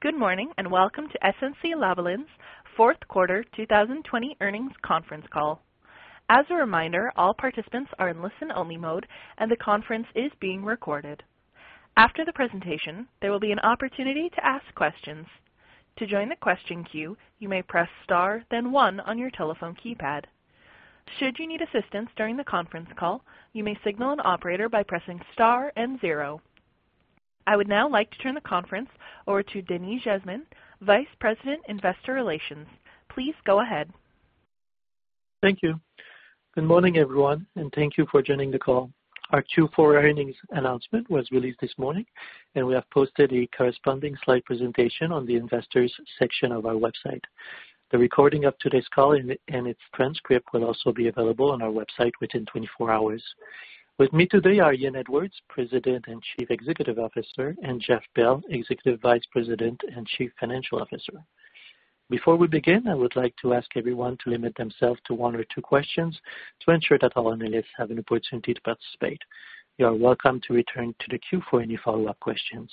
Good morning, and welcome to SNC-Lavalin's fourth quarter 2020 earnings conference call. As a reminder all participants are listen only mode and the conference is being recorded. After the presentation, there will be an opportunity to ask questions. To join the question queue you may press star then one on your telephone keypad. If you need assistance during the conference call, you may signal operator by pressing star then zero. All in I would now like to turn the conference over to Denis Jasmin, Vice President, Investor Relations. Please go ahead. Thank you. Good morning, everyone, and thank you for joining the call. Our Q4 earnings announcement was released this morning, and we have posted a corresponding slide presentation on the Investors section of our website. The recording of today's call and its transcript will also be available on our website within 24 hours. With me today are Ian Edwards, President and Chief Executive Officer, and Jeff Bell, Executive Vice President and Chief Financial Officer. Before we begin, I would like to ask everyone to limit themselves to one or two questions to ensure that all analysts have an opportunity to participate. You are welcome to return to the queue for any follow-up questions.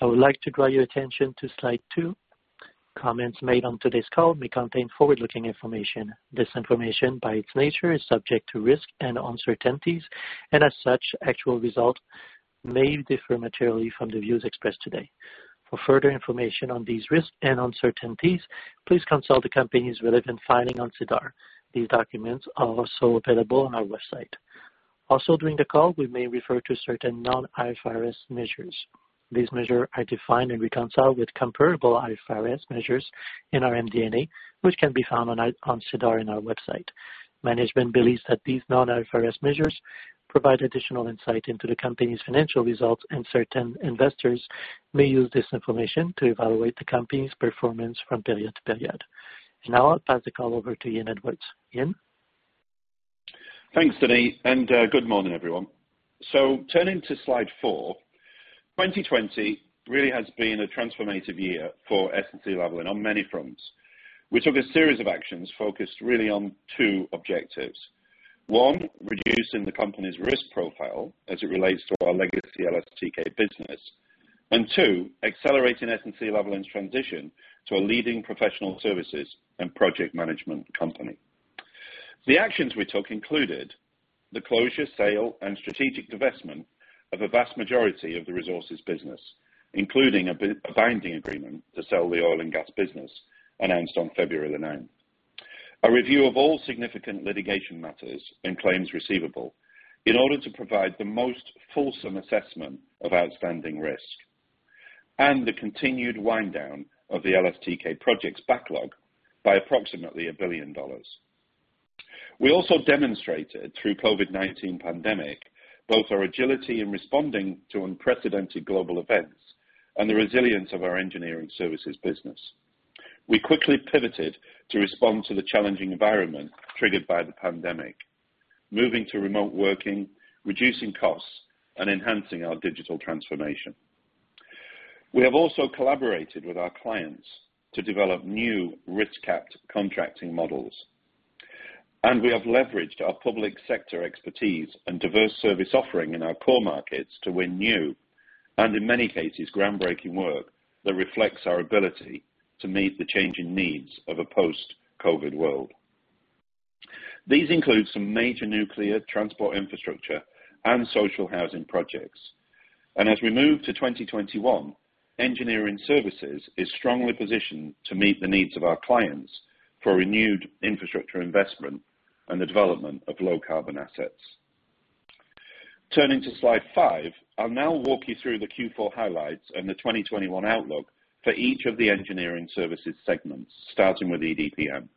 I would like to draw your attention to slide two. Comments made on today's call may contain forward-looking information. This information, by its nature, is subject to risks and uncertainties, and as such, actual results may differ materially from the views expressed today. For further information on these risks and uncertainties, please consult the company's relevant filing on SEDAR. These documents are also available on our website. Also, during the call, we may refer to certain non-IFRS measures. These measures are defined and reconciled with comparable IFRS measures in our MD&A, which can be found on SEDAR on our website. Management believes that these non-IFRS measures provide additional insight into the company's financial results, and certain investors may use this information to evaluate the company's performance from period to period. Now I'll pass the call over to Ian Edwards. Ian? Thanks, Denis, and good morning, everyone. Turning to slide four, 2020 really has been a transformative year for SNC-Lavalin on many fronts. We took a series of actions focused really on two objectives. One, reducing the company's risk profile as it relates to our legacy LSTK business. Two, accelerating SNC-Lavalin's transition to a leading professional services and project management company. The actions we took included the closure, sale, and strategic divestment of a vast majority of the resources business, including a binding agreement to sell the oil and gas business announced on February 9th. A review of all significant litigation matters and claims receivable in order to provide the most fulsome assessment of outstanding risk, and the continued wind down of the LSTK projects backlog by approximately 1 billion dollars. We also demonstrated through COVID-19 pandemic, both our agility in responding to unprecedented global events and the resilience of our engineering services business. We quickly pivoted to respond to the challenging environment triggered by the pandemic, moving to remote working, reducing costs, and enhancing our digital transformation. We have also collaborated with our clients to develop new risk-capped contracting models, and we have leveraged our public sector expertise and diverse service offering in our core markets to win new, and in many cases, groundbreaking work that reflects our ability to meet the changing needs of a post-COVID world. These include some major nuclear transport infrastructure and social housing projects. As we move to 2021, engineering services is strongly positioned to meet the needs of our clients for renewed infrastructure investment and the development of low carbon assets. Turning to slide five, I'll now walk you through the Q4 highlights and the 2021 outlook for each of the engineering services segments, starting with EDPM.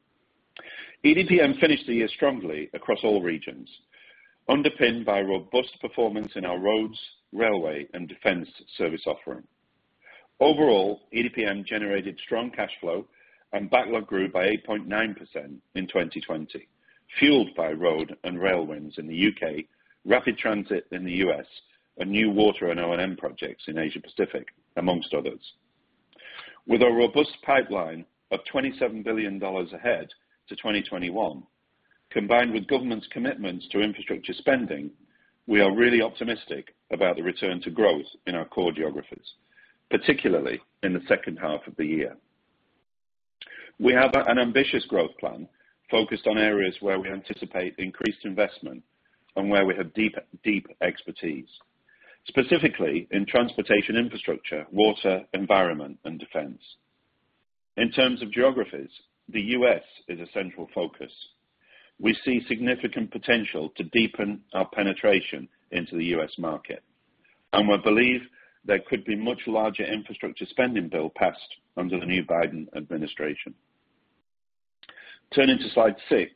EDPM finished the year strongly across all regions, underpinned by robust performance in our roads, railway, and defense service offering. Overall, EDPM generated strong cash flow and backlog grew by 8.9% in 2020, fueled by road and rail wins in the U.K., rapid transit in the U.S., and new water and O&M projects in Asia Pacific, amongst others. With a robust pipeline of 27 billion dollars ahead to 2021, combined with government's commitments to infrastructure spending, we are really optimistic about the return to growth in our core geographies, particularly in the second half of the year. We have an ambitious growth plan focused on areas where we anticipate increased investment and where we have deep expertise, specifically in transportation infrastructure, water, environment, and defense. In terms of geographies, the U.S. is a central focus. We see significant potential to deepen our penetration into the U.S. market. We believe there could be much larger infrastructure spending bill passed under the new Biden administration. Turning to slide six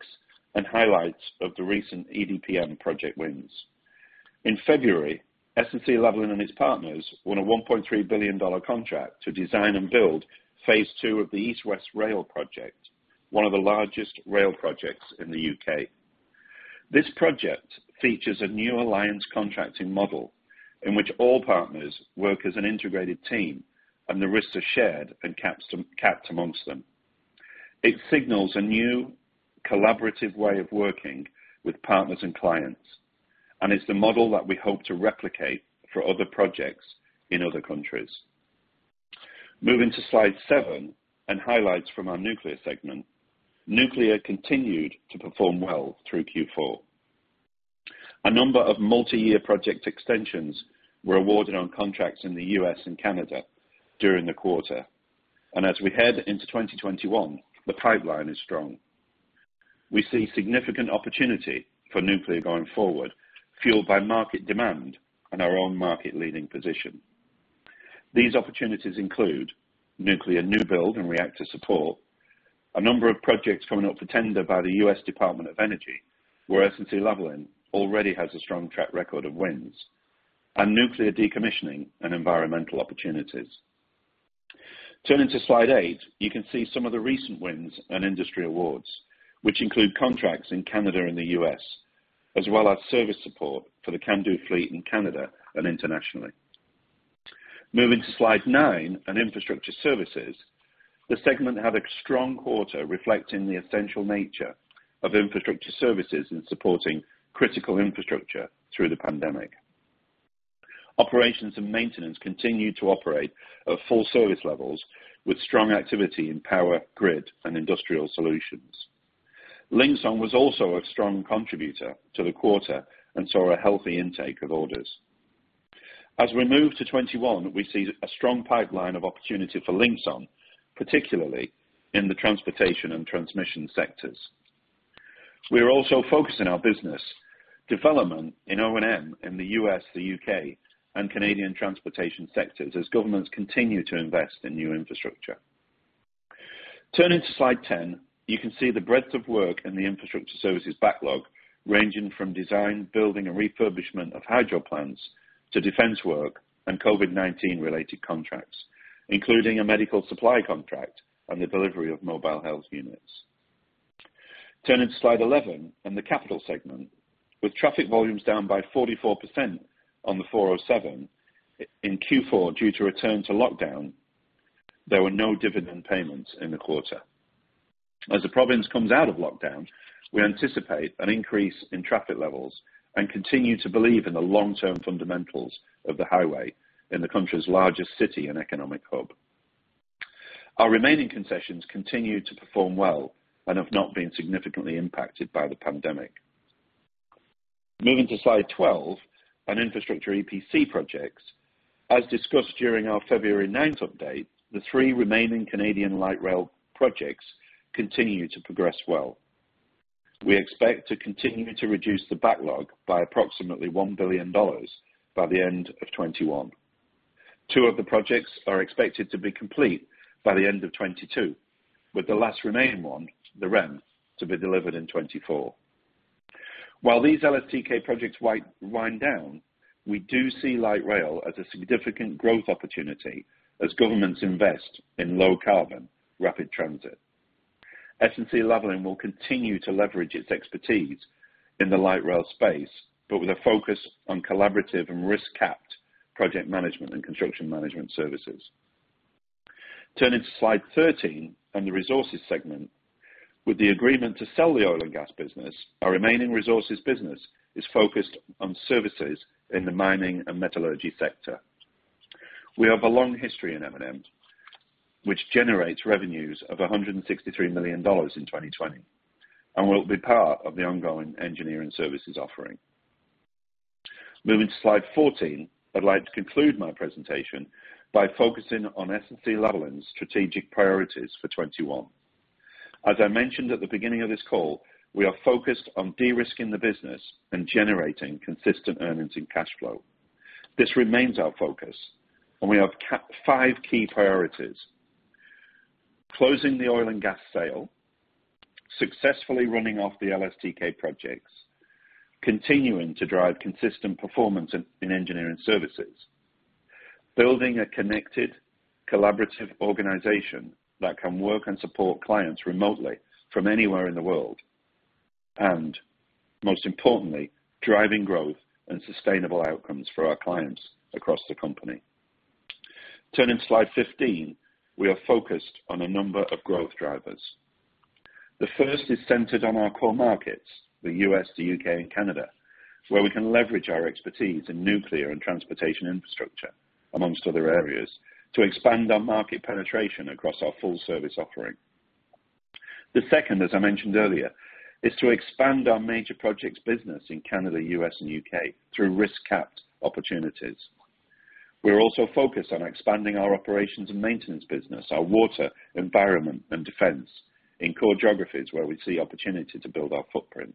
and highlights of the recent EDPM project wins. In February, SNC-Lavalin and its partners won a 1.3 billion dollar contract to design and build Phase 2 of the East West Rail project, one of the largest rail projects in the U.K. This project features a new alliance contracting model in which all partners work as an integrated team and the risks are shared and capped amongst them. It signals a new collaborative way of working with partners and clients. It's the model that we hope to replicate for other projects in other countries. Moving to slide seven and highlights from our nuclear segment. Nuclear continued to perform well through Q4. A number of multi-year project extensions were awarded on contracts in the U.S. and Canada during the quarter. As we head into 2021, the pipeline is strong. We see significant opportunity for nuclear going forward, fueled by market demand and our own market leading position. These opportunities include nuclear new build and reactor support, a number of projects coming up for tender by the U.S. Department of Energy, where SNC-Lavalin already has a strong track record of wins, and nuclear decommissioning and environmental opportunities. Turning to slide eight, you can see some of the recent wins and industry awards, which include contracts in Canada and the U.S., as well as service support for the CANDU fleet in Canada and internationally. Moving to slide nine and infrastructure services, the segment had a strong quarter reflecting the essential nature of infrastructure services in supporting critical infrastructure through the pandemic. Operations and maintenance continued to operate at full service levels, with strong activity in power, grid, and industrial solutions. Linxon was also a strong contributor to the quarter and saw a healthy intake of orders. As we move to 2021, we see a strong pipeline of opportunity for Linxon, particularly in the transportation and transmission sectors. We are also focusing our business development in O&M in the U.S., the U.K., and Canadian transportation sectors as governments continue to invest in new infrastructure. Turning to slide 10, you can see the breadth of work in the infrastructure services backlog, ranging from design, building, and refurbishment of hydro plants to defense work and COVID-19 related contracts, including a medical supply contract and the delivery of mobile health units. Turning to slide 11 and the capital segment. With traffic volumes down by 44% on the 407 in Q4 due to return to lockdown, there were no dividend payments in the quarter. As the province comes out of lockdown, we anticipate an increase in traffic levels and continue to believe in the long-term fundamentals of the highway in the country's largest city and economic hub. Our remaining concessions continue to perform well and have not been significantly impacted by the pandemic. Moving to slide 12 on infrastructure EPC projects. As discussed during our February announce update, the three remaining Canadian light rail projects continue to progress well. We expect to continue to reduce the backlog by approximately 1 billion dollars by the end of 2021. Two of the projects are expected to be complete by the end of 2022, with the last remaining one, the REM, to be delivered in 2024. While these LSTK projects wind down, we do see light rail as a significant growth opportunity as governments invest in low-carbon rapid transit. SNC-Lavalin will continue to leverage its expertise in the light rail space. With a focus on collaborative and risk-capped project management and construction management services. Turning to slide 13 on the resources segment. With the agreement to sell the oil and gas business, our remaining resources business is focused on services in the mining and metallurgy sector. We have a long history in M&M, which generates revenues of 163 million dollars in 2020 and will be part of the ongoing engineering services offering. Moving to slide 14. I'd like to conclude my presentation by focusing on SNC-Lavalin's strategic priorities for 2021. As I mentioned at the beginning of this call, we are focused on de-risking the business and generating consistent earnings and cash flow. This remains our focus, and we have five key priorities. Closing the oil and gas sale, successfully running off the LSTK projects, continuing to drive consistent performance in engineering services, building a connected, collaborative organization that can work and support clients remotely from anywhere in the world, and most importantly, driving growth and sustainable outcomes for our clients across the company. Turning to slide 15, we are focused on a number of growth drivers. The first is centered on our core markets, the U.S., the U.K., and Canada, where we can leverage our expertise in nuclear and transportation infrastructure, amongst other areas, to expand our market penetration across our full service offering. The second, as I mentioned earlier, is to expand our major projects business in Canada, U.S., and U.K. through risk-capped opportunities. We are also focused on expanding our operations and maintenance business, our water, environment, and defense in core geographies where we see opportunity to build our footprint.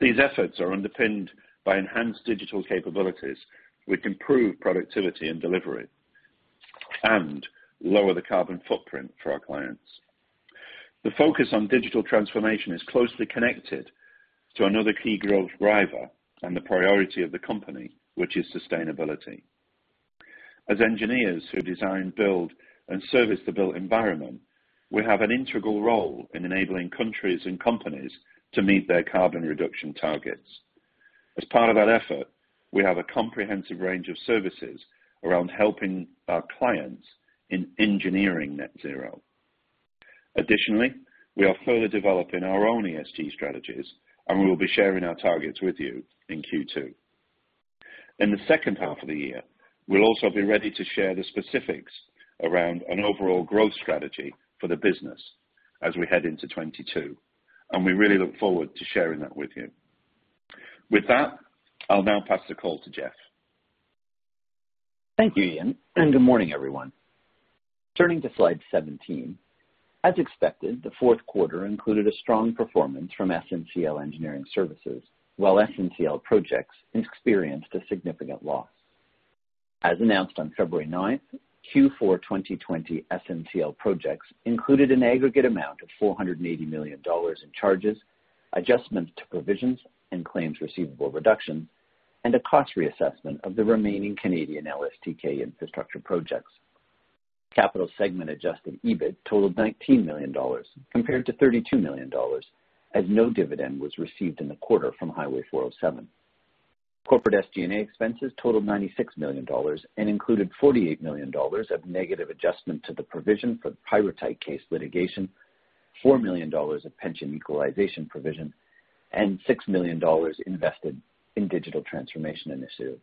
These efforts are underpinned by enhanced digital capabilities, which improve productivity and delivery and lower the carbon footprint for our clients. The focus on digital transformation is closely connected to another key growth driver and the priority of the company, which is sustainability. As engineers who design, build, and service the built environment, we have an integral role in enabling countries and companies to meet their carbon reduction targets. As part of that effort, we have a comprehensive range of services around helping our clients in engineering net zero. Additionally, we are further developing our own ESG strategies, and we will be sharing our targets with you in Q2. In the second half of the year, we'll also be ready to share the specifics around an overall growth strategy for the business as we head into 2022, and we really look forward to sharing that with you. With that, I'll now pass the call to Jeff. Thank you, Ian. Good morning, everyone. Turning to slide 17. As expected, the fourth quarter included a strong performance from SNCL Engineering Services, while SNCL Projects experienced a significant loss. As announced on February 9th, Q4 2020 SNCL Projects included an aggregate amount of 480 million dollars in charges, adjustments to provisions and claims receivable reductions, and a cost reassessment of the remaining Canadian LSTK infrastructure projects. Capital segment adjusted EBIT totaled 19 million dollars compared to 32 million dollars, as no dividend was received in the quarter from Highway 407. Corporate SG&A expenses totaled 96 million dollars and included 48 million dollars of negative adjustment to the provision for the Pyrrhotite case litigation, 4 million dollars of pension equalization provision, and 6 million dollars invested in digital transformation initiatives.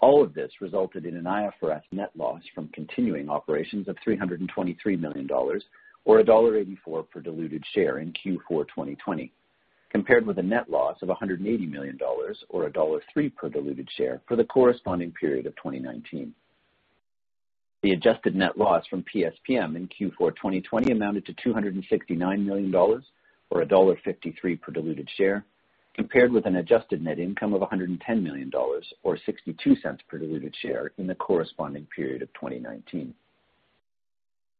All of this resulted in an IFRS net loss from continuing operations of 323 million dollars, or dollar 1.84 per diluted share in Q4 2020, compared with a net loss of 180 million dollars, or dollar 1.03 per diluted share for the corresponding period of 2019. The adjusted net loss from PS&PM in Q4 2020 amounted to 269 million dollars, or dollar 1.53 per diluted share, compared with an adjusted net income of 110 million dollars or 0.62 per diluted share in the corresponding period of 2019.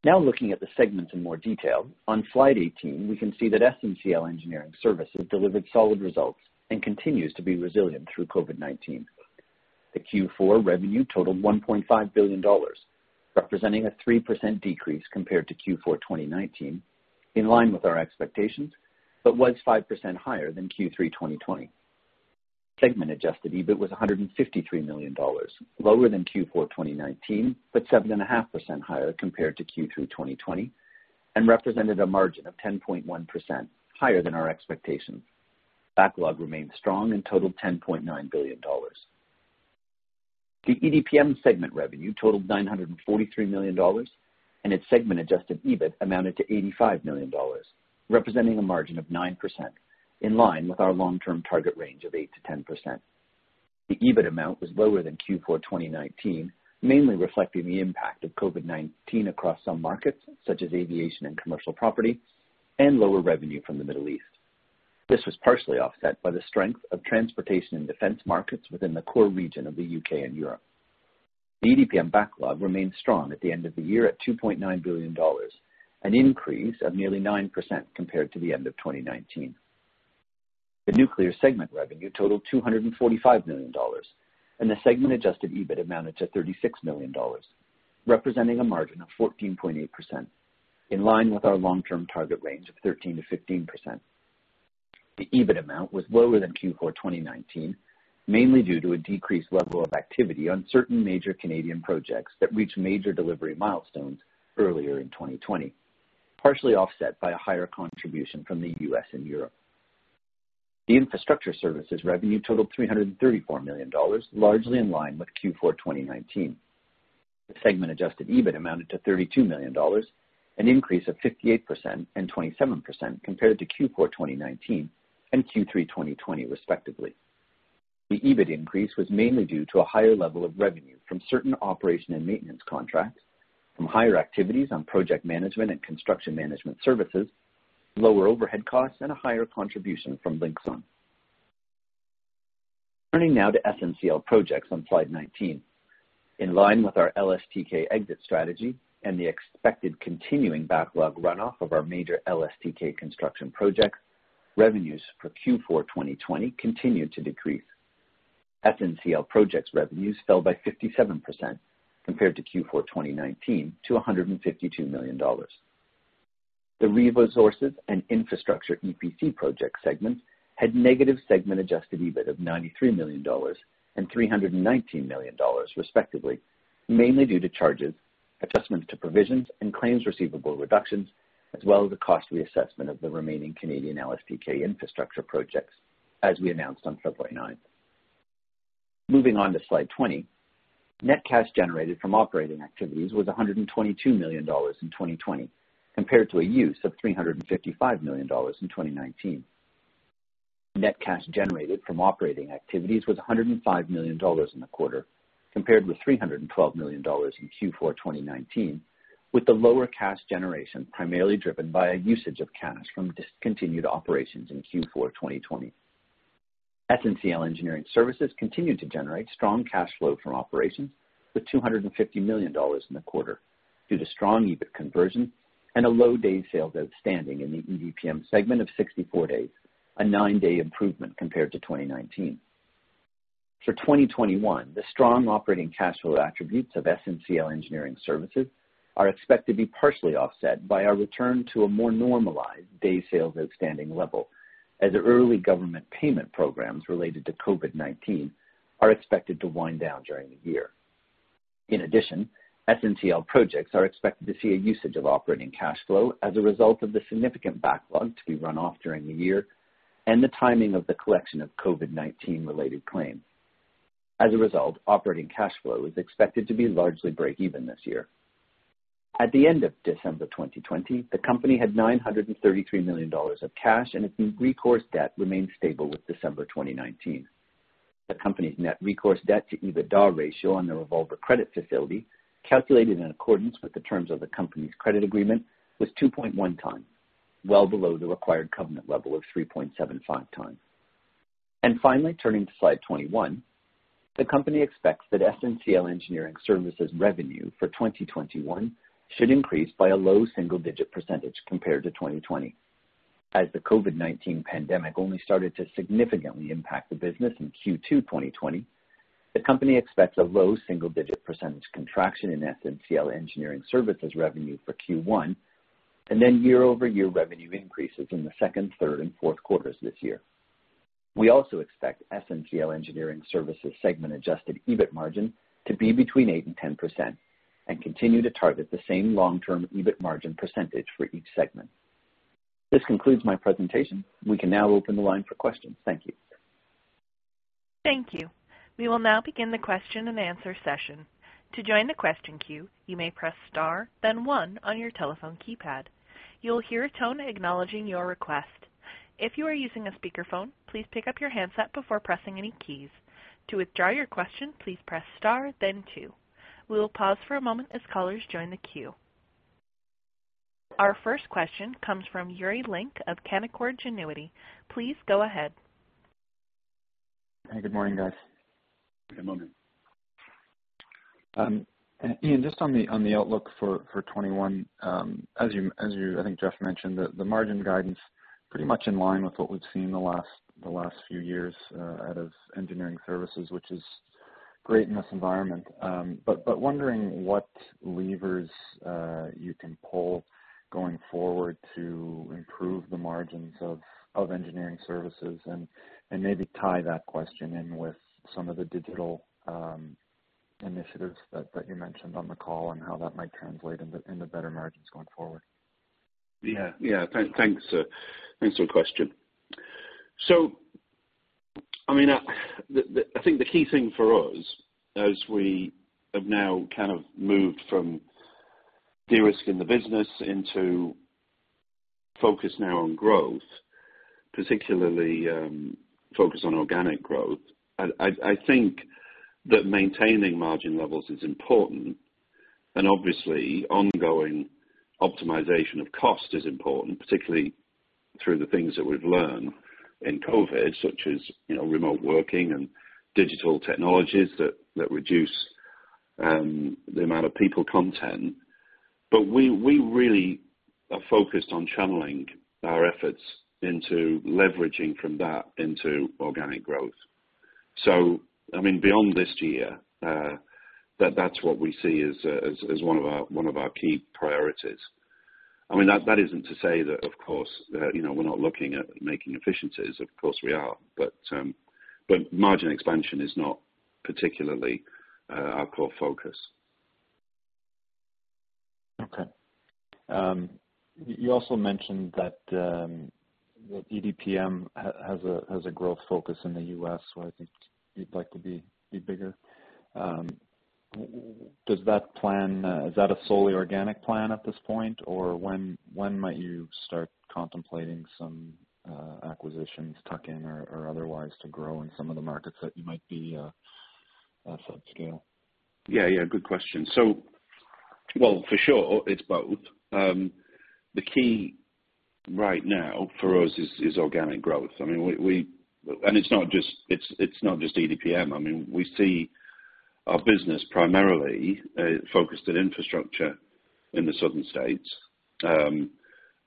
Looking at the segments in more detail. On slide 18, we can see that SNCL Engineering Services delivered solid results and continues to be resilient through COVID-19. The Q4 revenue totaled 1.5 billion dollars, representing a 3% decrease compared to Q4 2019, in line with our expectations, but was 5% higher than Q3 2020. Segment adjusted EBIT was 153 million dollars, lower than Q4 2019 but 7.5% higher compared to Q3 2020 and represented a margin of 10.1% higher than our expectations. Backlog remained strong and totaled 10.9 billion dollars. The EDPM segment revenue totaled 943 million dollars and its segment adjusted EBIT amounted to 85 million dollars, representing a margin of 9%, in line with our long-term target range of 8%-10%. The EBIT amount was lower than Q4 2019, mainly reflecting the impact of COVID-19 across some markets, such as aviation and commercial property and lower revenue from the Middle East. This was partially offset by the strength of transportation and defense markets within the core region of the U.K. and Europe. EDPM backlog remained strong at the end of the year at 2.9 billion dollars, an increase of nearly 9% compared to the end of 2019. The nuclear segment revenue totaled 245 million dollars and the segment adjusted EBIT amounted to 36 million dollars, representing a margin of 14.8%, in line with our long-term target range of 13%-15%. The EBIT amount was lower than Q4 2019, mainly due to a decreased level of activity on certain major Canadian projects that reached major delivery milestones earlier in 2020, partially offset by a higher contribution from the U.S. and Europe. The Infrastructure Services revenue totaled 334 million dollars, largely in line with Q4 2019. The segment adjusted EBIT amounted to 32 million dollars, an increase of 58% and 27% compared to Q4 2019 and Q3 2020, respectively. The EBIT increase was mainly due to a higher level of revenue from certain operation and maintenance contracts, from higher activities on project management and construction management services, lower overhead costs, and a higher contribution from Linxon. Turning now to SNCL Projects on slide 19. In line with our LSTK exit strategy and the expected continuing backlog runoff of our major LSTK construction projects, revenues for Q4 2020 continued to decrease. SNCL Projects revenues fell by 57% compared to Q4 2019 to 152 million dollars. The Repo resources and infrastructure EPC project segments had negative segment adjusted EBIT of 93 million dollars and 319 million dollars respectively, mainly due to charges, adjustments to provisions, and claims receivable reductions, as well as a cost reassessment of the remaining Canadian LSTK infrastructure projects, as we announced on February 9th. Moving on to slide 20. Net cash generated from operating activities was CAD 122 million in 2020, compared to a use of CAD 355 million in 2019. Net cash generated from operating activities was CAD 105 million in the quarter, compared with CAD 312 million in Q4 2019, with the lower cash generation primarily driven by a usage of cash from discontinued operations in Q4 2020. SNCL Engineering Services continued to generate strong cash flow from operations with 250 million dollars in the quarter due to strong EBIT conversion and a low day sales outstanding in the EDPM segment of 64 days, a nine-day improvement compared to 2019. For 2021, the strong operating cash flow attributes of SNCL Engineering Services are expected to be partially offset by our return to a more normalized day sales outstanding level, as early government payment programs related to COVID-19 are expected to wind down during the year. In addition, SNCL Projects are expected to see a usage of operating cash flow as a result of the significant backlog to be run off during the year and the timing of the collection of COVID-19 related claims. As a result, operating cash flow is expected to be largely breakeven this year. At the end of December 2020, the company had 933 million dollars of cash, and its recourse debt remained stable with December 2019. The company's net recourse debt to EBITDA ratio on the revolver credit facility, calculated in accordance with the terms of the company's credit agreement, was 2.1x, well below the required covenant level of 3.75x. Finally, turning to slide 21. The company expects that SNCL Engineering Services revenue for 2021 should increase by a low single-digit percentage compared to 2020. As the COVID-19 pandemic only started to significantly impact the business in Q2 2020, the company expects a low single-digit percent contraction in SNCL Engineering Services revenue for Q1, and then year-over-year revenue increases in the second, third, and fourth quarters this year. We also expect SNCL Engineering Services segment adjusted EBIT margin to be between 8% and 10% and continue to target the same long-term EBIT margin percentage for each segment. This concludes my presentation. We can now open the line for questions. Thank you. Thank you. We will now begin the question and answer session. To join the question queue, you may press star then one on your telephone keypad. You will hear a tone acknowledging your request. If you are using a speakerphone, please pick up your handset before pressing any keys. To withdraw your question, please press star then two. We will pause for a moment as callers join the queue. Our first question comes from Yuri Lynk of Canaccord Genuity. Please go ahead. Good morning, guys. Good morning. Ian, just on the outlook for 2021, as you, I think Jeff mentioned, the margin guidance pretty much in line with what we've seen the last few years out of Engineering Services, which is great in this environment. Wondering what levers you can pull going forward to improve the margins of Engineering Services and maybe tie that question in with some of the digital initiatives that you mentioned on the call and how that might translate into better margins going forward. Yeah. Thanks for the question. I think the key thing for us as we have now kind of moved from de-risking the business into focus now on growth, particularly focus on organic growth. I think that maintaining margin levels is important and obviously ongoing optimization of cost is important, particularly through the things that we've learned in COVID-19, such as remote working and digital technologies that reduce the amount of people content. We really are focused on channeling our efforts into leveraging from that into organic growth. Beyond this year, that's what we see as one of our key priorities. That isn't to say that, of course, we're not looking at making efficiencies. Of course, we are. Margin expansion is not particularly our core focus. Okay. You also mentioned that EDPM has a growth focus in the U.S., where I think you'd like to be bigger. Is that a solely organic plan at this point? Or when might you start contemplating some acquisitions tuck in or otherwise to grow in some of the markets that you might be subscale? Yeah, good question. Well, for sure it's both. The key right now for us is organic growth. It's not just EDPM. We see our business primarily focused at infrastructure in the Southern states,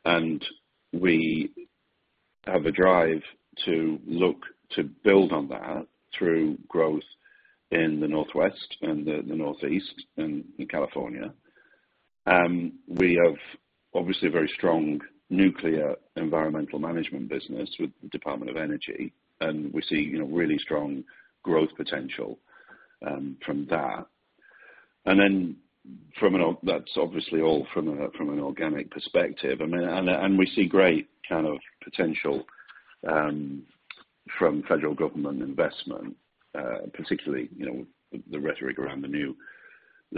and we have a drive to look to build on that through growth in the Northwest and the Northeast and in California. We have obviously a very strong nuclear environmental management business with the U.S. Department of Energy, and we're seeing really strong growth potential from that. That's obviously all from an organic perspective. We see great kind of potential from federal government investment, particularly the rhetoric around the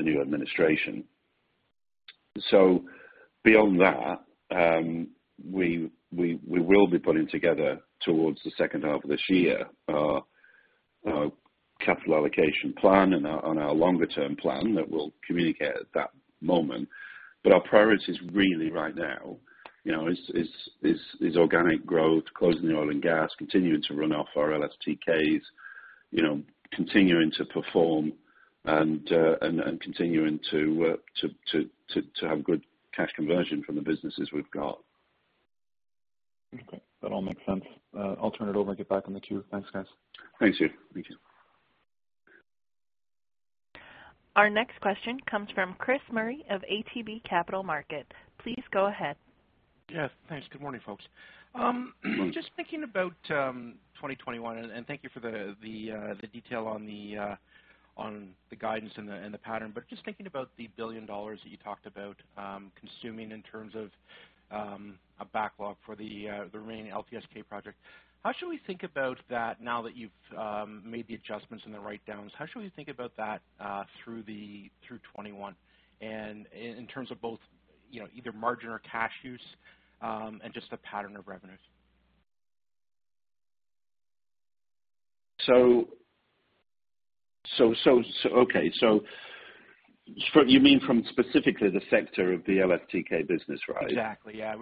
new administration. Beyond that, we will be putting together towards the second half of this year our capital allocation plan and on our longer-term plan that we'll communicate at that moment. Our priorities really right now is organic growth, closing the oil and gas, continuing to run off our LSTKs, continuing to perform and continuing to have good cash conversion from the businesses we've got. Okay. That all makes sense. I'll turn it over and get back in the queue. Thanks, guys. Thanks, Yuri. Thank you. Our next question comes from Chris Murray of ATB Capital Markets. Please go ahead. Yeah. Thanks. Good morning, folks. Just thinking about 2021, and thank you for the detail on the guidance and the pattern, but just thinking about the 1 billion dollars that you talked about consuming in terms of a backlog for the remaining LSTK project. How should we think about that now that you've made the adjustments and the write downs? How should we think about that through 2021? In terms of both either margin or cash use, and just the pattern of revenues. Okay. You mean from specifically the sector of the LSTK business, right? Exactly, yeah.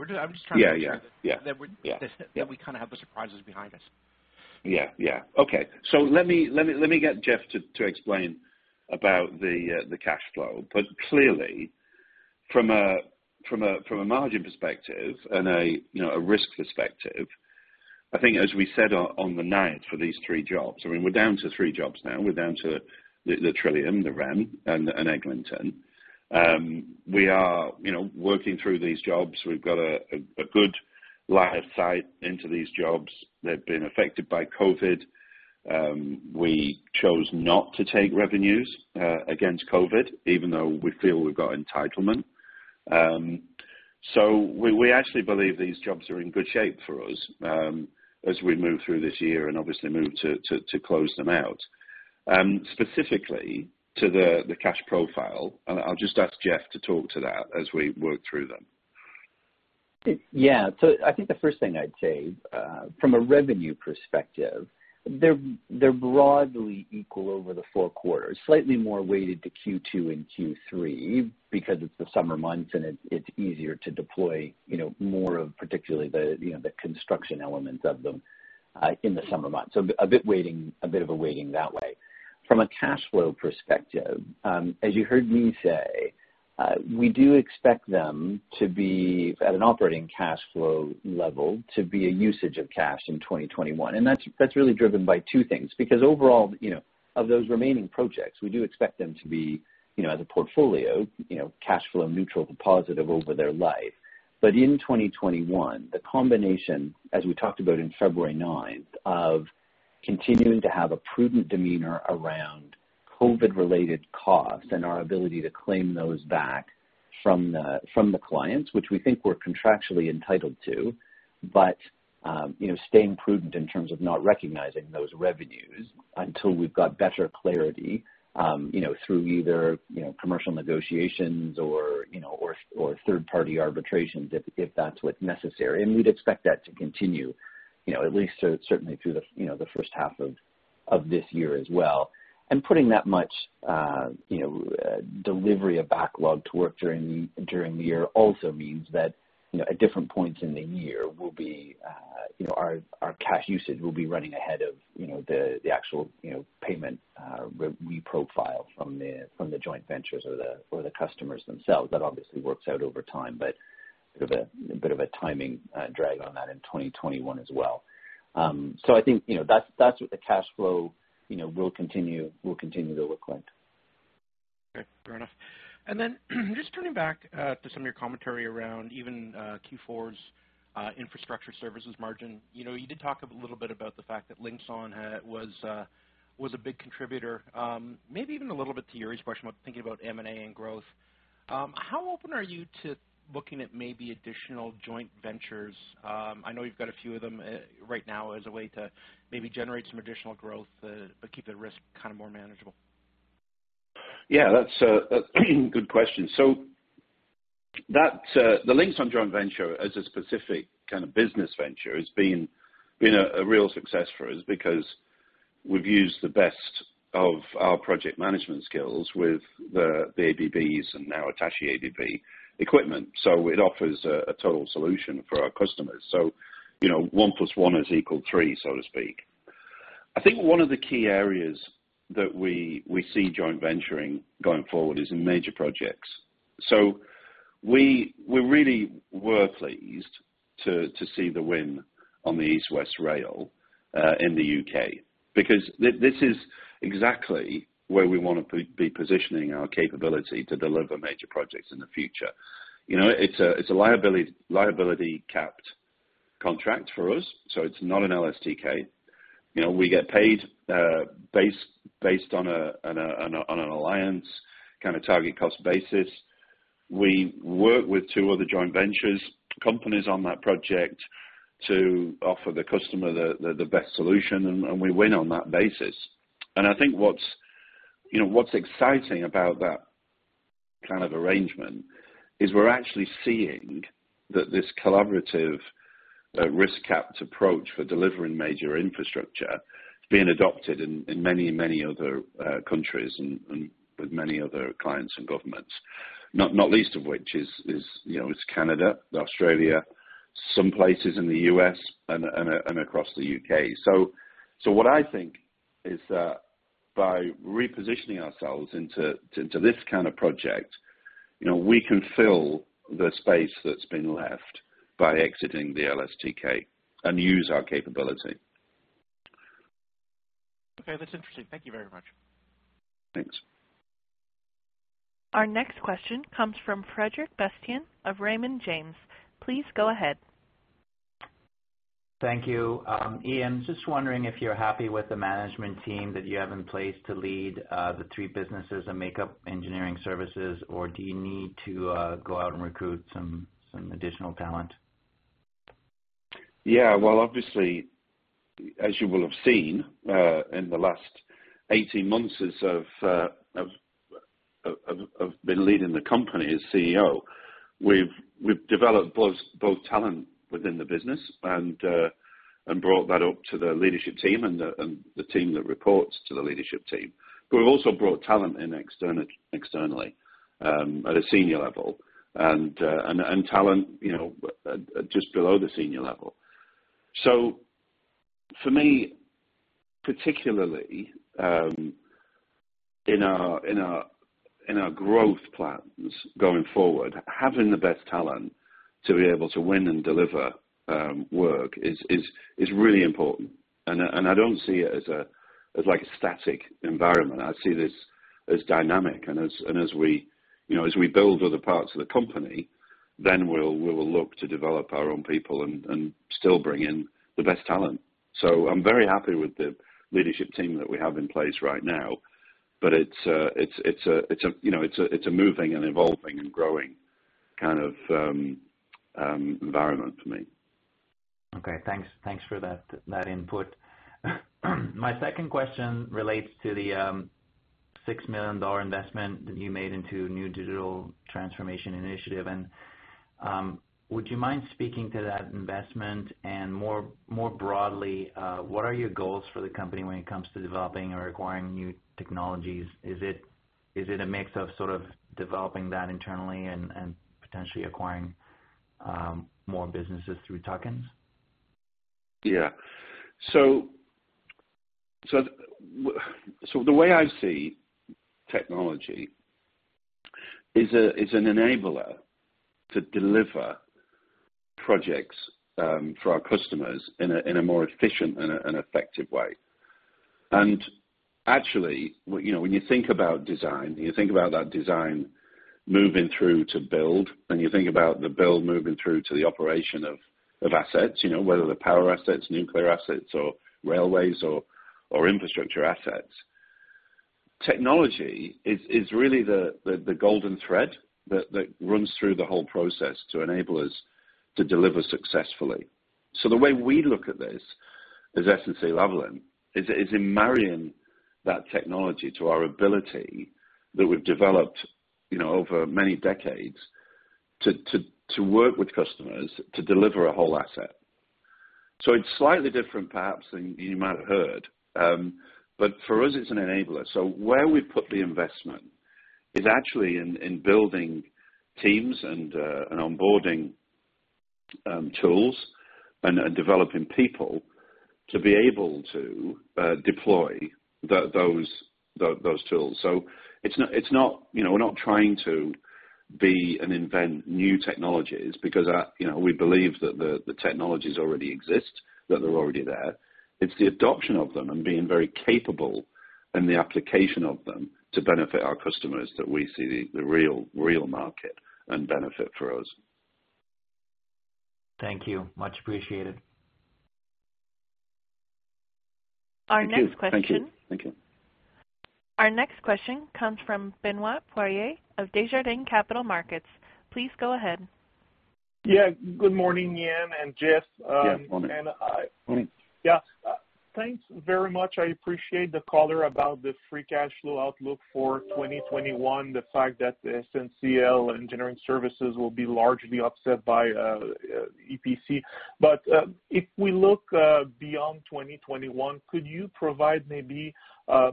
Yeah that we kind of have the surprises behind us. Yeah. Okay. Let me get Jeff to explain about the cash flow. Clearly, from a margin perspective and a risk perspective, I think as we said on the ninth for these three jobs, we're down to three jobs now. We're down to the Trillium, the REM, and Eglinton. We are working through these jobs. We've got a good line of sight into these jobs. They've been affected by COVID. We chose not to take revenues against COVID, even though we feel we've got entitlement. We actually believe these jobs are in good shape for us as we move through this year and obviously move to close them out. Specifically, to the cash profile, I'll just ask Jeff to talk to that as we work through them. Yeah. I think the first thing I'd say from a revenue perspective, they're broadly equal over the four quarters, slightly more weighted to Q2 and Q3 because it's the summer months and it's easier to deploy more of particularly the construction elements of them in the summer months. A bit of a weighting that way. From a cash flow perspective, as you heard me say, we do expect them to be, at an operating cash flow level, to be a usage of cash in 2021. That's really driven by two things, because overall, of those remaining projects, we do expect them to be as a portfolio, cash flow neutral to positive over their life. In 2021, the combination, as we talked about in February 9th, of continuing to have a prudent demeanor around COVID-related costs and our ability to claim those back from the clients, which we think we're contractually entitled to, but staying prudent in terms of not recognizing those revenues until we've got better clarity through either commercial negotiations or third-party arbitrations, if that's what's necessary. We'd expect that to continue at least certainly through the first half of this year as well. Putting that much delivery of backlog to work during the year also means that at different points in the year, our cash usage will be running ahead of the actual payment reprofile from the joint ventures or the customers themselves. That obviously works out over time, but sort of a bit of a timing drag on that in 2021 as well. I think that's what the cash flow will continue to look like. Okay. Fair enough. Just turning back to some of your commentary around even Q4's Infrastructure Services margin. You did talk a little bit about the fact that Linxon was a big contributor, maybe even a little to Yuri's question about thinking about M&A and growth. How open are you to looking at maybe additional joint ventures? I know you've got a few of them right now as a way to maybe generate some additional growth, but keep the risk more manageable. Yeah, that's a good question. The Linxon joint venture as a specific kind of business venture has been a real success for us because we've used the best of our project management skills with the ABB and now Hitachi ABB equipment. It offers a total solution for our customers. one plus one is equal three, so to speak. I think one of the key areas that we see joint venturing going forward is in major projects. We really were pleased to see the win on the East West Rail in the U.K., because this is exactly where we want to be positioning our capability to deliver major projects in the future. It's a liability capped contract for us, so it's not an LSTK. We get paid based on an alliance kind of target cost basis. We work with two other joint ventures companies on that project to offer the customer the best solution, and we win on that basis. I think what's exciting about that kind of arrangement is we're actually seeing that this collaborative risk-capped approach for delivering major infrastructure is being adopted in many other countries and with many other clients and governments. Not least of which is Canada, Australia, some places in the U.S., and across the U.K. What I think is that. By repositioning ourselves into this kind of project, we can fill the space that's been left by exiting the LSTK and use our capability. Okay, that's interesting. Thank you very much. Thanks. Our next question comes from Frederic Bastien of Raymond James. Please go ahead. Thank you. Ian, just wondering if you're happy with the management team that you have in place to lead the three businesses that make up Engineering Services or do you need to go out and recruit some additional talent? Yeah. Well, obviously, as you will have seen in the last 18 months as I've been leading the company as CEO, we've developed both talent within the business and brought that up to the leadership team and the team that reports to the leadership team. We've also brought talent in externally at a senior level and talent just below the senior level. For me, particularly in our growth plans going forward, having the best talent to be able to win and deliver work is really important. I don't see it as a static environment. I see this as dynamic. As we build other parts of the company, we'll look to develop our own people and still bring in the best talent. I'm very happy with the leadership team that we have in place right now, but it's a moving and evolving and growing kind of environment for me. Okay. Thanks for that input. My second question relates to the 6 million dollar investment that you made into new digital transformation initiative. Would you mind speaking to that investment? More broadly, what are your goals for the company when it comes to developing or acquiring new technologies? Is it a mix of sort of developing that internally and potentially acquiring more businesses through tuck-ins? The way I see technology is an enabler to deliver projects for our customers in a more efficient and effective way. Actually, when you think about design, you think about that design moving through to build, and you think about the build moving through to the operation of assets, whether they're power assets, nuclear assets, or railways or infrastructure assets. Technology is really the golden thread that runs through the whole process to enable us to deliver successfully. The way we look at this, as SNC-Lavalin, is in marrying that technology to our ability that we've developed over many decades to work with customers to deliver a whole asset. It's slightly different perhaps than you might have heard. For us, it's an enabler. Where we put the investment is actually in building teams and onboarding tools and developing people to be able to deploy those tools. We're not trying to be and invent new technologies because we believe that the technologies already exist, that they're already there. It's the adoption of them and being very capable in the application of them to benefit our customers, that we see the real market and benefit for us. Thank you. Much appreciated. Our next question. Thank you. Our next question comes from Benoit Poirier of Desjardins Capital Markets. Please go ahead. Good morning, Ian and Jeff. Yeah, morning. Thanks very much. I appreciate the color about the free cash flow outlook for 2021, the fact that SNCL Engineering Services will be largely offset by EPC. If we look beyond 2021, could you provide maybe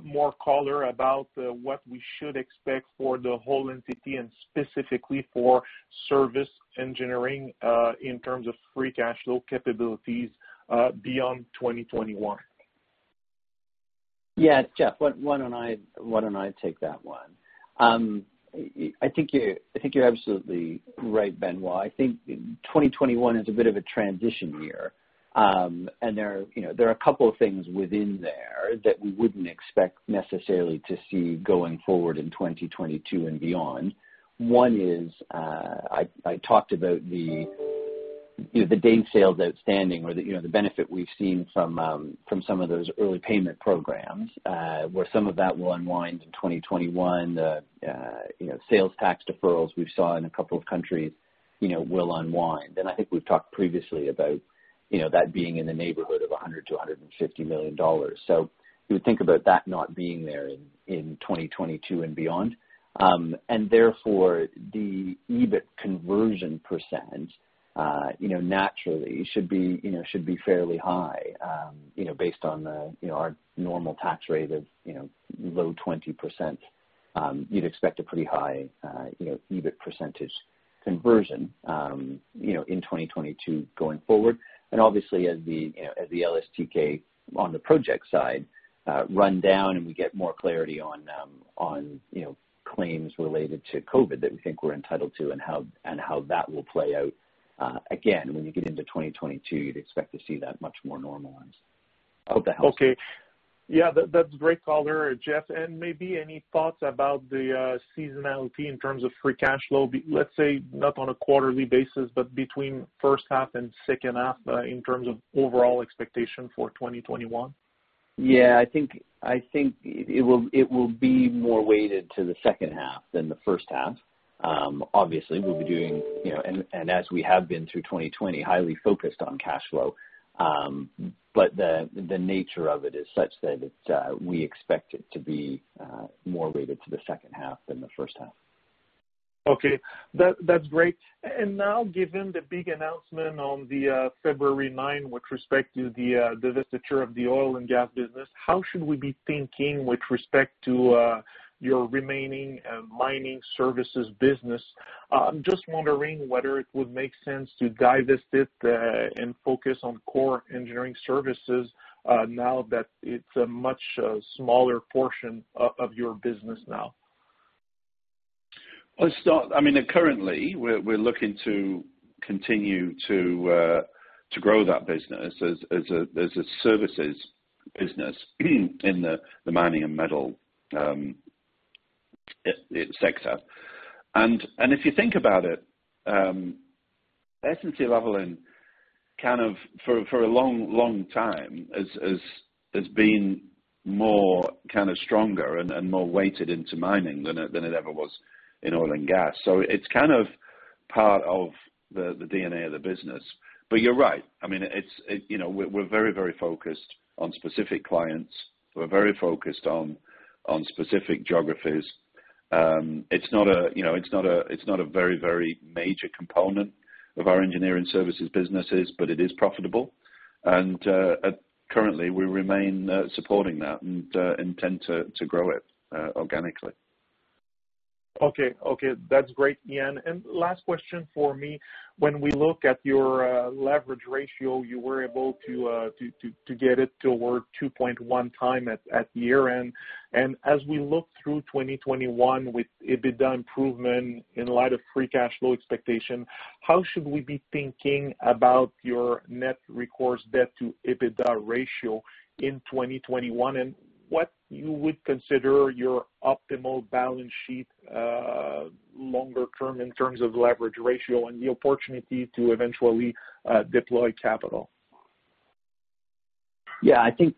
more color about what we should expect for the whole entity and specifically for service engineering, in terms of free cash flow capabilities beyond 2021? Yeah. Jeff, why don't I take that one? I think you're absolutely right, Benoit. I think 2021 is a bit of a transition year. There are a couple of things within there that we wouldn't expect necessarily to see going forward in 2022 and beyond. One is, I talked about the day sales outstanding or the benefit we've seen from some of those early payment programs, where some of that will unwind in 2021. The sales tax deferrals we saw in a couple of countries will unwind. I think we've talked previously about that being in the neighborhood of 100 million-150 million dollars. You would think about that not being there in 2022 and beyond. Therefore, the EBIT conversion percent naturally should be fairly high based on our normal tax rate of low 20%. You'd expect a pretty high EBIT percentage conversion in 2022 going forward. Obviously, as the LSTK on the project side run down and we get more clarity on claims related to COVID that we think we're entitled to, and how that will play out. Again, when you get into 2022, you'd expect to see that much more normalized. I hope that helps. Okay. Yeah, that's great color, Jeff. Maybe any thoughts about the seasonality in terms of free cash flow, let's say, not on a quarterly basis, but between first half and second half, in terms of overall expectation for 2021? Yeah. I think it will be more weighted to the second half than the first half. Obviously, we'll be doing, and as we have been through 2020, highly focused on cash flow. The nature of it is such that we expect it to be more weighted to the second half than the first half. Okay. That's great. Now, given the big announcement on February 9, with respect to the divestiture of the oil and gas business, how should we be thinking with respect to your remaining mining services business? Just wondering whether it would make sense to divest it and focus on core Engineering Services, now that it's a much smaller portion of your business now. I mean, currently, we're looking to continue to grow that business as a services business in the Mining and Metals sector. If you think about it, SNC-Lavalin kind of, for a long time, has been more stronger and more weighted into mining than it ever was in oil and gas. It's kind of part of the DNA of the business. You're right. We're very focused on specific clients. We're very focused on specific geographies. It's not a very major component of our engineering services businesses, but it is profitable. Currently we remain supporting that and intend to grow it organically. Okay. That's great, Ian. Last question for me. When we look at your leverage ratio, you were able to get it toward 2.1x at year-end. As we look through 2021 with EBITDA improvement in light of free cash flow expectation, how should we be thinking about your net recourse debt to EBITDA ratio in 2021, and what you would consider your optimal balance sheet longer term in terms of leverage ratio and the opportunity to eventually deploy capital? Yeah. I think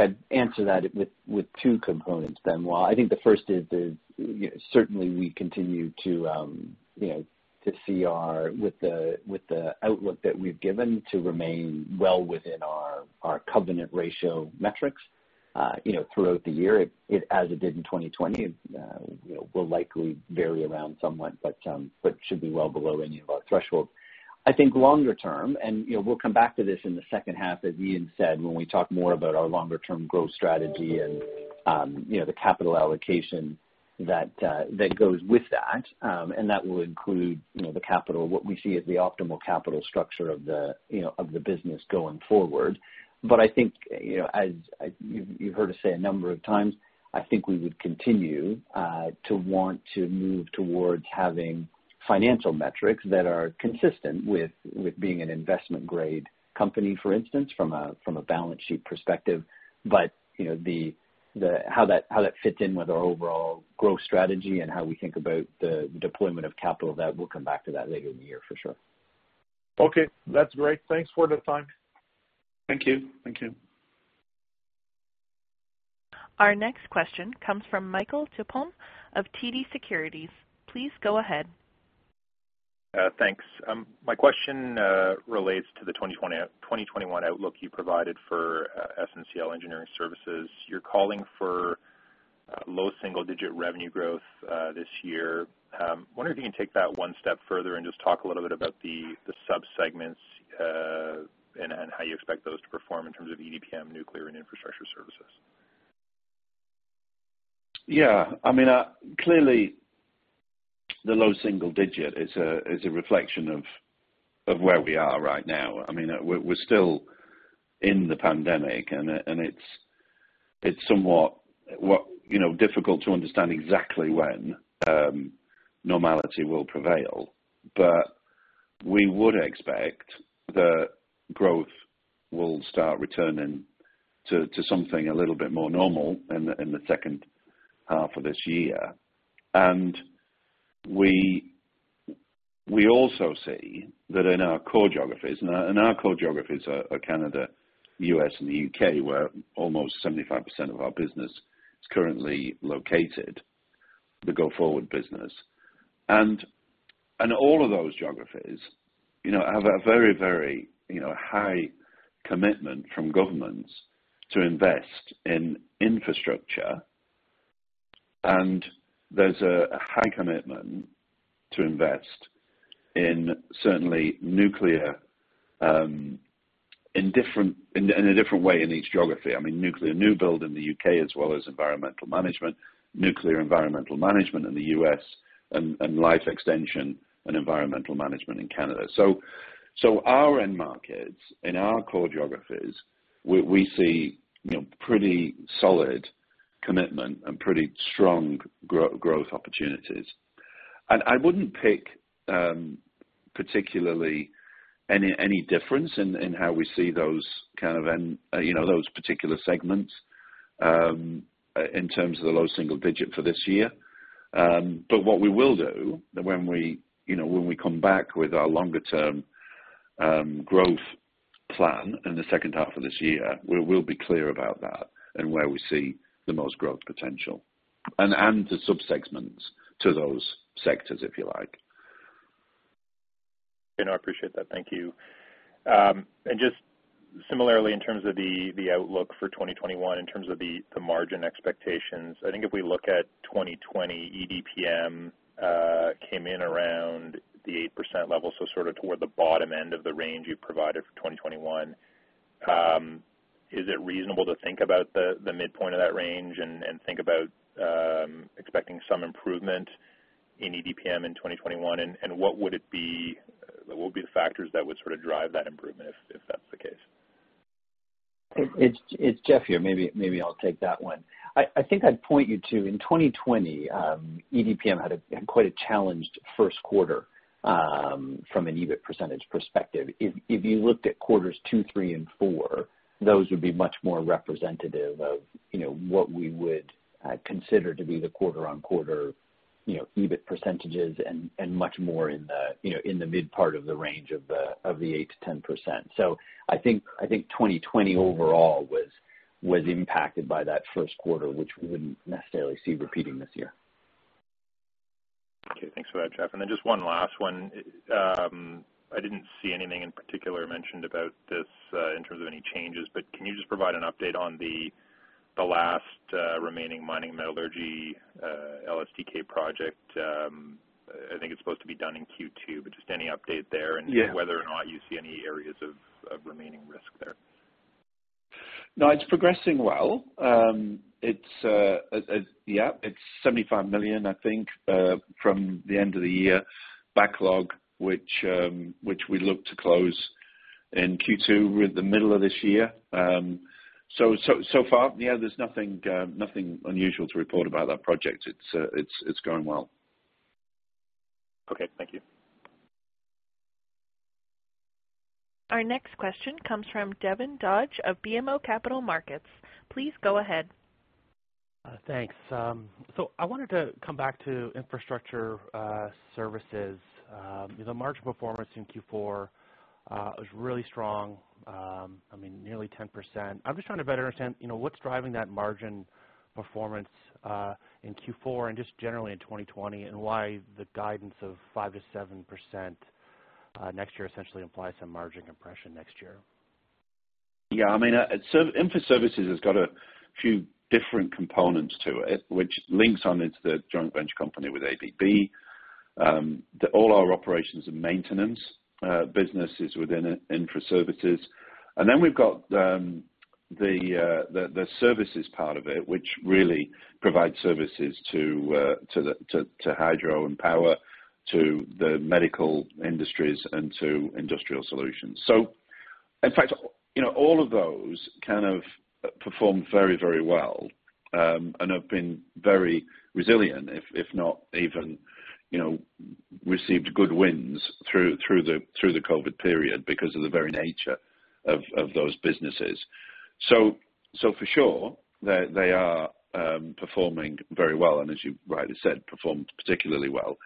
I'd answer that with two components, Benoit. I think the first is certainly we continue to see with the outlook that we've given to remain well within our covenant ratio metrics throughout the year, as it did in 2020, will likely vary around somewhat, but should be well below any of our thresholds. I think longer term, and we'll come back to this in the second half, as Ian said, when we talk more about our longer term growth strategy and the capital allocation that goes with that. That will include what we see as the optimal capital structure of the business going forward. I think as you've heard us say a number of times, I think we would continue to want to move towards having financial metrics that are consistent with being an investment grade company, for instance, from a balance sheet perspective. How that fits in with our overall growth strategy and how we think about the deployment of capital, we'll come back to that later in the year for sure. Okay. That's great. Thanks for the time. Thank you. Our next question comes from Michael Tupholme of TD Securities. Please go ahead. Thanks. My question relates to the 2021 outlook you provided for SNCL Engineering Services. You're calling for low single digit revenue growth this year. Wondering if you can take that one step further and just talk a little bit about the sub-segments and how you expect those to perform in terms of EDPM, nuclear, and Infrastructure Services. Yeah. Clearly, the low single digit is a reflection of where we are right now. We're still in the pandemic, and it's somewhat difficult to understand exactly when normality will prevail. We would expect that growth will start returning to something a little bit more normal in the second half of this year. We also see that in our core geographies, and our core geographies are Canada, U.S., and the U.K., where almost 75% of our business is currently located, the go-forward business. All of those geographies have a very high commitment from governments to invest in infrastructure. There's a high commitment to invest in certainly nuclear in a different way in each geography. Nuclear new build in the U.K. as well as environmental management, nuclear environmental management in the U.S., and life extension and environmental management in Canada. Our end markets, in our core geographies, we see pretty solid commitment and pretty strong growth opportunities. I wouldn't pick particularly any difference in how we see those particular segments in terms of the low single digit for this year. What we will do when we come back with our longer term growth plan in the second half of this year, we'll be clear about that and where we see the most growth potential and the sub-segments to those sectors, if you like. No, I appreciate that. Thank you. Just similarly, in terms of the outlook for 2021, in terms of the margin expectations, I think if we look at 2020, EDPM came in around the 8% level, so sort of toward the bottom end of the range you provided for 2021. Is it reasonable to think about the midpoint of that range and think about expecting some improvement in EDPM in 2021? What would be the factors that would sort of drive that improvement, if that's the case? It's Jeff here. Maybe I'll take that one. I think I'd point you to, in 2020, EDPM had quite a challenged first quarter from an EBIT percentage perspective. If you looked at quarters two, three, and four, those would be much more representative of what we would consider to be the quarter-on-quarter EBIT percentages and much more in the mid part of the range of the 8%-10%. I think 2020 overall was impacted by that first quarter, which we wouldn't necessarily see repeating this year. Okay. Thanks for that, Jeff. Just one last one. I didn't see anything in particular mentioned about this in terms of any changes, can you just provide an update on the last remaining mining metallurgy LSTK project? I think it's supposed to be done in Q2, just any update there. Yeah whether or not you see any areas of remaining risk there? No, it's progressing well. It's 75 million, I think, from the end of the year backlog, which we look to close in Q2, the middle of this year. So far, yeah, there's nothing unusual to report about that project. It's going well. Okay. Thank you. Our next question comes from Devin Dodge of BMO Capital Markets. Please go ahead. Thanks. I wanted to come back to Infrastructure Services. The margin performance in Q4 was really strong. Nearly 10%. I'm just trying to better understand what's driving that margin performance in Q4 and just generally in 2020, and why the guidance of 5%-7% next year essentially implies some margin compression next year. Yeah. Infra services has got a few different components to it, which Linxon into the joint venture company with ABB. All our operations and maintenance business is within infra services. Then we've got the services part of it, which really provides services to hydro and power, to the medical industries, and to industrial solutions. In fact, all of those kind of performed very well, and have been very resilient, if not even received good wins through the COVID period because of the very nature of those businesses. For sure, they are performing very well, and as you rightly said, performed particularly well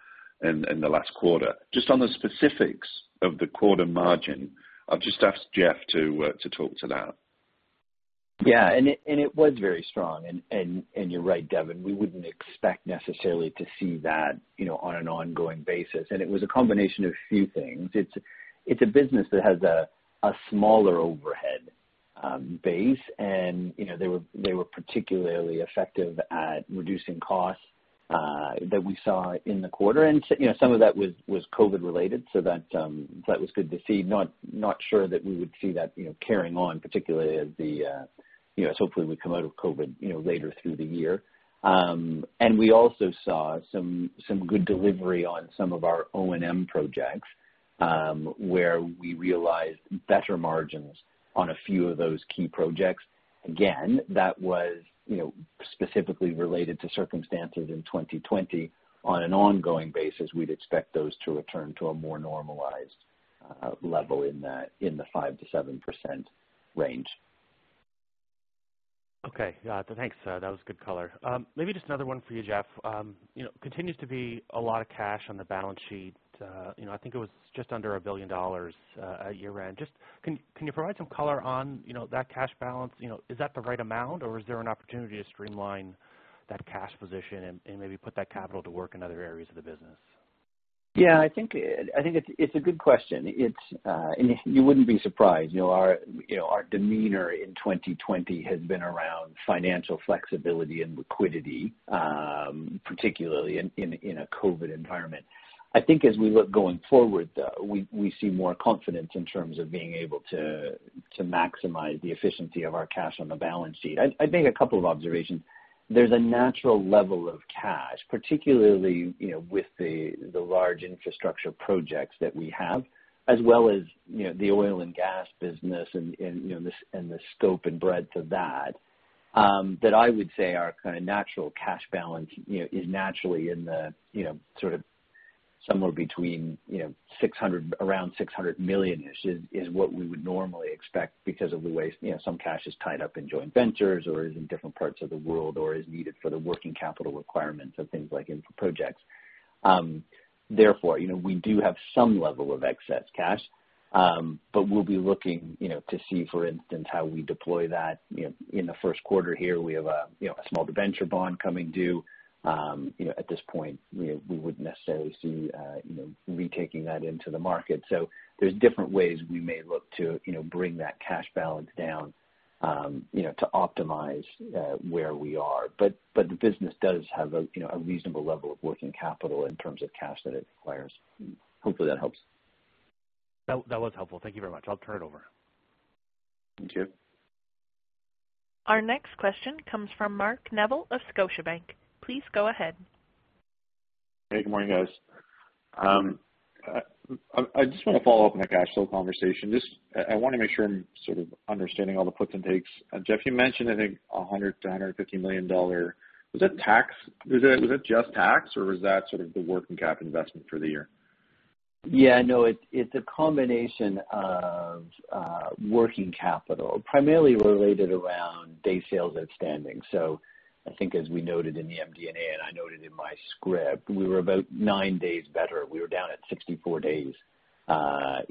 in the last quarter. Just on the specifics of the quarter margin, I'll just ask Jeff to talk to that. Yeah. It was very strong, and you're right, Devin, we wouldn't expect necessarily to see that on an ongoing basis. It was a combination of a few things. It's a business that has a smaller overhead base, and they were particularly effective at reducing costs that we saw in the quarter. Some of that was COVID related, so that was good to see. Not sure that we would see that carrying on, particularly as hopefully we come out of COVID later through the year. We also saw some good delivery on some of our O&M projects, where we realized better margins on a few of those key projects. Again, that was specifically related to circumstances in 2020. On an ongoing basis, we'd expect those to return to a more normalized level in the 5%-7% range. Okay. Thanks. That was good color. Maybe just another one for you, Jeff. Continues to be a lot of cash on the balance sheet. I think it was just under 1 billion dollars at year-end. Just, can you provide some color on that cash balance? Is that the right amount, or is there an opportunity to streamline that cash position and maybe put that capital to work in other areas of the business? Yeah, I think it's a good question. You wouldn't be surprised, our demeanor in 2020 has been around financial flexibility and liquidity, particularly in a COVID-19 environment. I think as we look going forward, though, we see more confidence in terms of being able to maximize the efficiency of our cash on the balance sheet. I'd make a couple of observations. There's a natural level of cash, particularly with the large infrastructure projects that we have, as well as the oil and gas business and the scope and breadth of that I would say our kind of natural cash balance is naturally somewhere between around 600 million-ish, is what we would normally expect because of the way some cash is tied up in joint ventures or is in different parts of the world or is needed for the working capital requirements of things like infrastructure projects. We do have some level of excess cash. We'll be looking to see, for instance, how we deploy that. In the first quarter here, we have a small debenture bond coming due. At this point, we wouldn't necessarily see retaking that into the market. There's different ways we may look to bring that cash balance down to optimize where we are. The business does have a reasonable level of working capital in terms of cash that it requires. Hopefully that helps. That was helpful. Thank you very much. I'll turn it over. Thank you. Our next question comes from Mark Neville of Scotiabank. Please go ahead. Hey, good morning, guys. I just want to follow up on that cash flow conversation. I want to make sure I'm sort of understanding all the puts and takes. Jeff, you mentioned, I think, 100 million-150 million dollar. Was that just tax, or was that sort of the working capital investment for the year? Yeah, no, it's a combination of working capital, primarily related around day sales outstanding. I think as we noted in the MD&A, and I noted in my script, we were about nine days better. We were down at 64 days in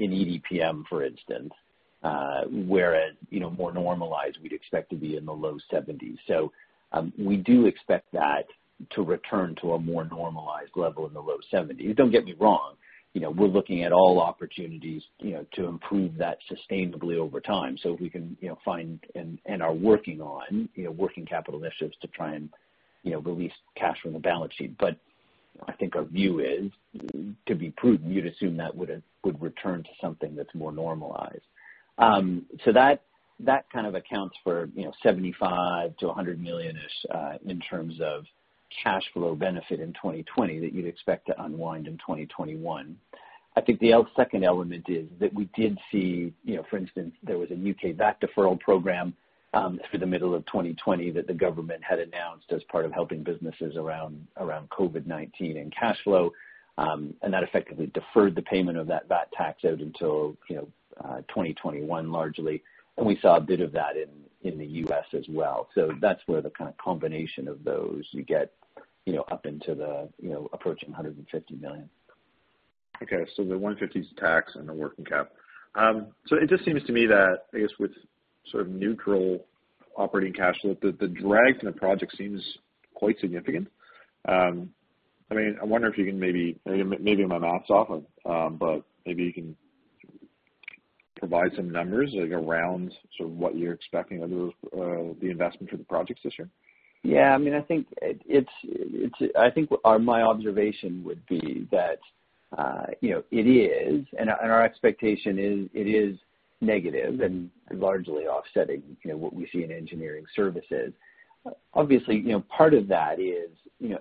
EDPM, for instance. Whereas more normalized, we'd expect to be in the low 70s. Don't get me wrong, we're looking at all opportunities to improve that sustainably over time. If we can find and are working on working capital initiatives to try and release cash from the balance sheet. I think our view is, to be prudent, you'd assume that would return to something that's more normalized. That kind of accounts for 75 million-100 million-ish in terms of cash flow benefit in 2020 that you'd expect to unwind in 2021. I think the second element is that we did see, for instance, there was a U.K. VAT deferral program for the middle of 2020 that the government had announced as part of helping businesses around COVID-19 and cash flow. That effectively deferred the payment of that VAT tax out until 2021, largely. We saw a bit of that in the U.S. as well. That's where the kind of combination of those, you get up into the approaching 150 million. Okay, the 150 is tax and the working cap. It just seems to me that, I guess with sort of neutral operating cash flow, the drag to the project seems quite significant. I wonder if you can maybe I'm off, but maybe you can provide some numbers around sort of what you're expecting of the investment for the projects this year. Yeah. My observation would be that it is, and our expectation is, it is negative and largely offsetting what we see in engineering services. Obviously, part of that is,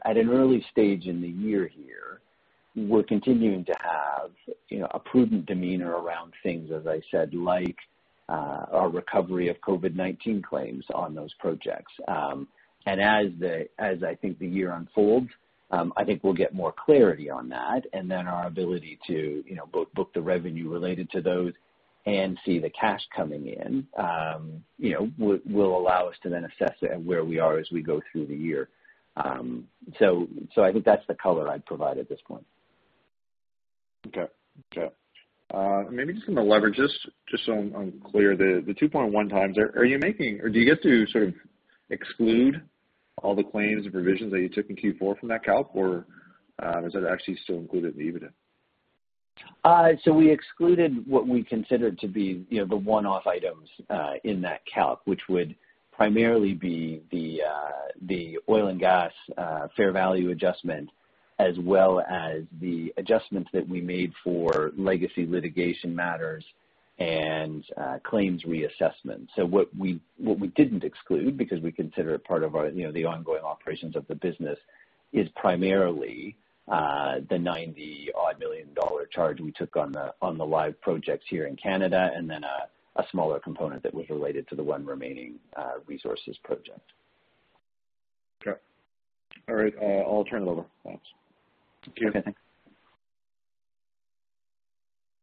at an early stage in the year here, we're continuing to have a prudent demeanor around things, as I said, like our recovery of COVID-19 claims on those projects. As I think the year unfolds, I think we'll get more clarity on that, and then our ability to book the revenue related to those and see the cash coming in will allow us to then assess where we are as we go through the year. I think that's the color I'd provide at this point. Okay. Maybe just going to leverage this, just so I'm clear. The 2.1x, do you get to sort of exclude all the claims and provisions that you took in Q4 from that calc, or is that actually still included in the EBITDA? We excluded what we considered to be the one-off items in that calc, which would primarily be the oil and gas fair value adjustment, as well as the adjustments that we made for legacy litigation matters and claims reassessment. What we didn't exclude, because we consider it part of the ongoing operations of the business, is primarily the 90 odd million charge we took on the live projects here in Canada, and then a smaller component that was related to the one remaining resources project. Okay. All right. I'll turn it over. Thanks. Okay, thanks.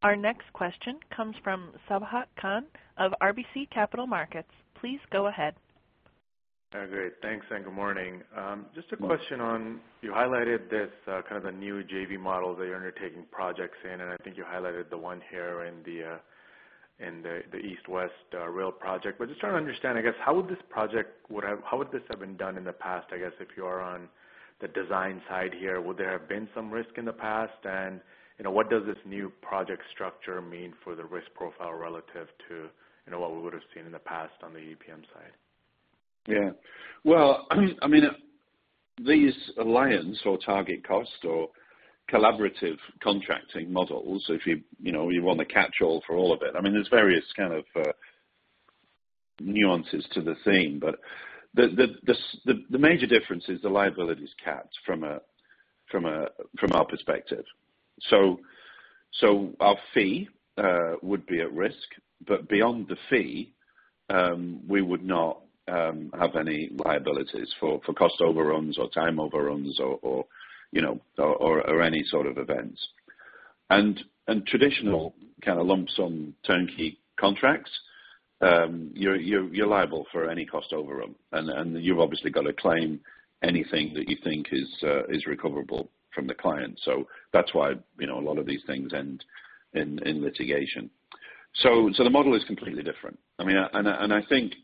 Our next question comes from Sabahat Khan of RBC Capital Markets. Please go ahead. Great. Thanks, good morning. Just a question on, you highlighted this kind of the new JV model that you're undertaking projects in, and I think you highlighted the one here in the East West Rail project. Just trying to understand, I guess, how would this have been done in the past, I guess, if you are on the design side here? What does this new project structure mean for the risk profile relative to what we would have seen in the past on the EDPM side? Yeah. Well, These alliance or target cost or collaborative contracting models, if you want the catchall for all of it. There's various kind of nuances to the theme, but the major difference is the liability is capped from our perspective. Our fee would be at risk, but beyond the fee, we would not have any liabilities for cost overruns or time overruns or any sort of events. Traditional kind of lump sum turnkey contracts, you're liable for any cost overrun, and you've obviously got to claim anything that you think is recoverable from the client. That's why a lot of these things end in litigation. The model is completely different. I think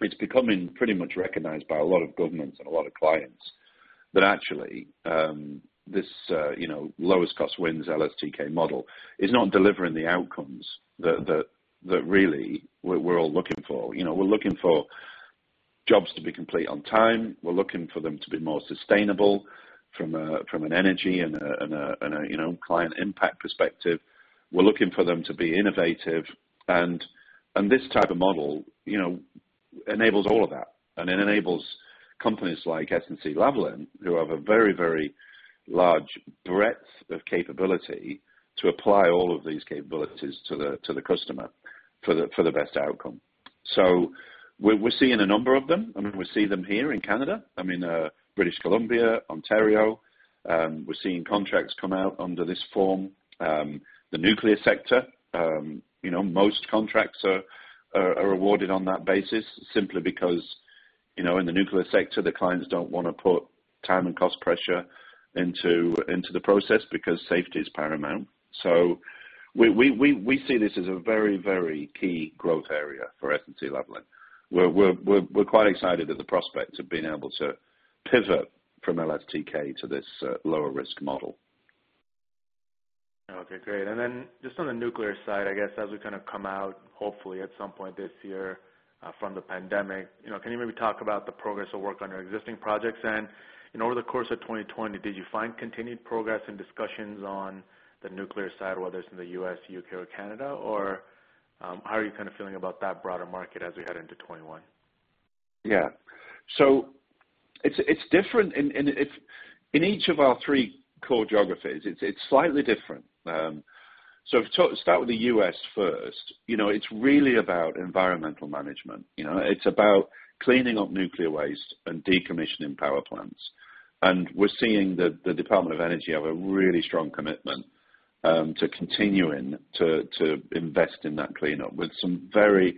it's becoming pretty much recognized by a lot of governments and a lot of clients that actually, this lowest cost wins LSTK model is not delivering the outcomes that really we're all looking for. We're looking for jobs to be complete on time. We're looking for them to be more sustainable from an energy and a client impact perspective. We're looking for them to be innovative. This type of model enables all of that. It enables companies like SNC-Lavalin, who have a very large breadth of capability to apply all of these capabilities to the customer for the best outcome. We're seeing a number of them. We see them here in Canada, British Columbia, Ontario. We're seeing contracts come out under this form. The nuclear sector, most contracts are awarded on that basis simply because, in the nuclear sector, the clients don't want to put time and cost pressure into the process because safety is paramount. We see this as a very key growth area for SNC-Lavalin. We're quite excited at the prospect of being able to pivot from LSTK to this lower risk model. Okay, great. Then just on the nuclear side, I guess as we kind of come out, hopefully at some point this year from the pandemic, can you maybe talk about the progress of work on your existing projects? Over the course of 2020, did you find continued progress and discussions on the nuclear side, whether it's in the U.S., U.K., or Canada? How are you kind of feeling about that broader market as we head into 2021? Yeah. It's different in each of our three core geographies. It's slightly different. If you start with the U.S. first, it's really about environmental management. It's about cleaning up nuclear waste and decommissioning power plants. We're seeing the U.S. Department of Energy have a really strong commitment to continuing to invest in that cleanup with some very,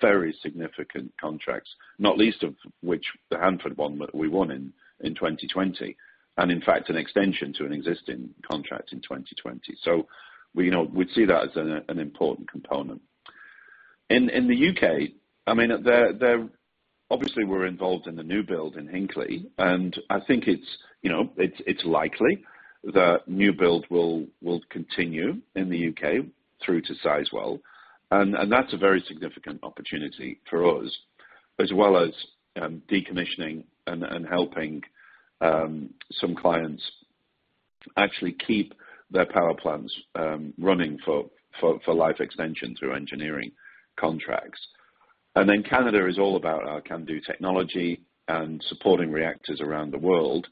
very significant contracts, not least of which the Hanford one that we won in 2020, and in fact, an extension to an existing contract in 2020. We'd see that as an important component. In the U.K., obviously we're involved in the new build in Hinkley, and I think it's likely that new build will continue in the U.K. through to Sizewell, and that's a very significant opportunity for us, as well as decommissioning and helping some clients actually keep their power plants running for life extension through engineering contracts. Canada is all about our CANDU technology and supporting reactors around the world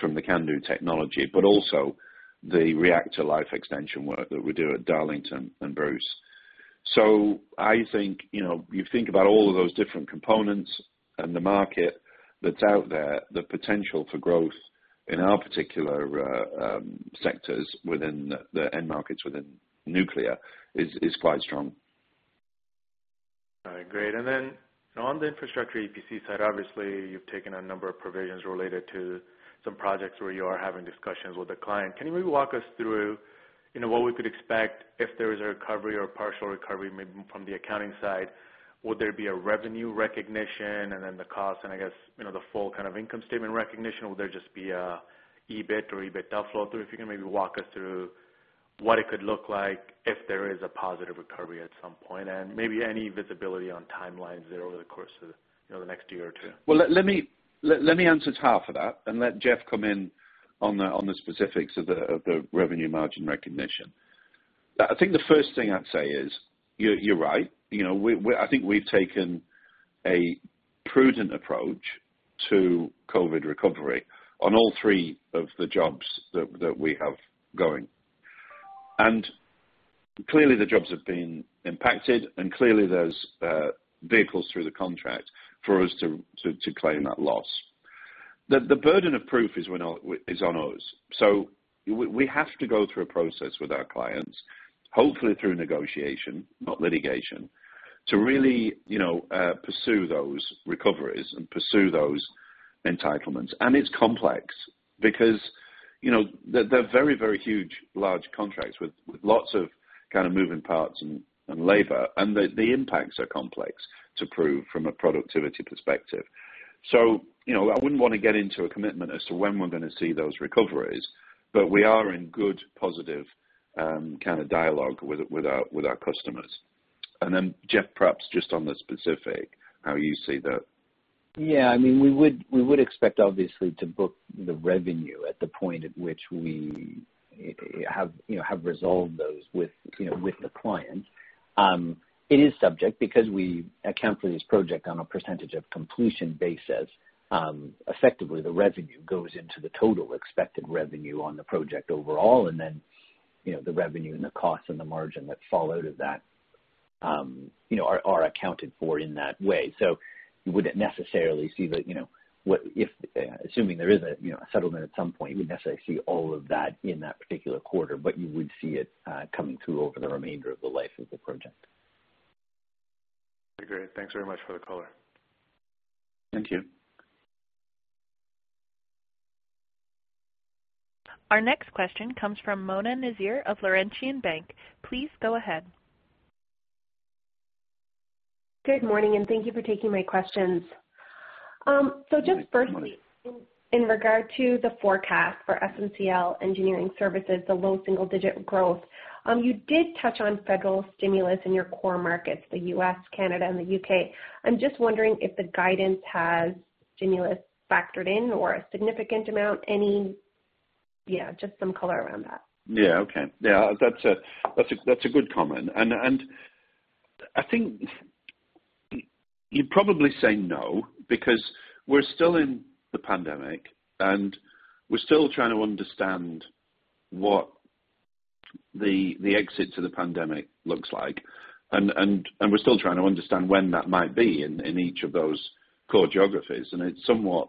from the CANDU technology, but also the reactor life extension work that we do at Darlington and Bruce. I think, you think about all of those different components and the market that's out there, the potential for growth in our particular sectors within the end markets within nuclear is quite strong. All right, great. Then on the infrastructure EPC side, obviously you've taken a number of provisions related to some projects where you are having discussions with the client. Can you maybe walk us through what we could expect if there is a recovery or partial recovery, maybe from the accounting side? Would there be a revenue recognition and then the cost and I guess, the full kind of income statement recognition? Will there just be an EBIT or EBITDA flow through? If you can maybe walk us through what it could look like if there is a positive recovery at some point, and maybe any visibility on timelines there over the course of the next year or two. Well, let me answer half of that and let Jeff come in on the specifics of the revenue margin recognition. I think the first thing I'd say is, you're right. I think we've taken a prudent approach to COVID recovery on all three of the jobs that we have going. Clearly the jobs have been impacted and clearly there's vehicles through the contract for us to claim that loss. The burden of proof is on us. We have to go through a process with our clients, hopefully through negotiation, not litigation, to really pursue those recoveries and pursue those entitlements. It's complex because they're very, very huge, large contracts with lots of kind of moving parts and labor, and the impacts are complex to prove from a productivity perspective. I wouldn't want to get into a commitment as to when we're going to see those recoveries, but we are in good, positive kind of dialogue with our customers. Jeff, perhaps just on the specific, how you see that. We would expect, obviously, to book the revenue at the point at which we have resolved those with the client. It is subject because we account for this project on a percentage of completion basis. Effectively, the revenue goes into the total expected revenue on the project overall, the revenue and the cost and the margin that fall out of that are accounted for in that way. Assuming there is a settlement at some point, you wouldn't necessarily see all of that in that particular quarter, but you would see it coming through over the remainder of the life of the project. Okay, great. Thanks very much for the color. Thank you. Our next question comes from Mona Nazir of Laurentian Bank. Please go ahead. Good morning, and thank you for taking my questions. Good morning. Just firstly, in regard to the forecast for SNCL Engineering Services, the low single-digit growth, you did touch on federal stimulus in your core markets, the U.S., Canada, and the U.K. I'm just wondering if the guidance has stimulus factored in or a significant amount, just some color around that? Yeah. Okay. Yeah, that's a good comment. I think you'd probably say no, because we're still in the pandemic, and we're still trying to understand what the exit to the pandemic looks like, and we're still trying to understand when that might be in each of those core geographies, and it's somewhat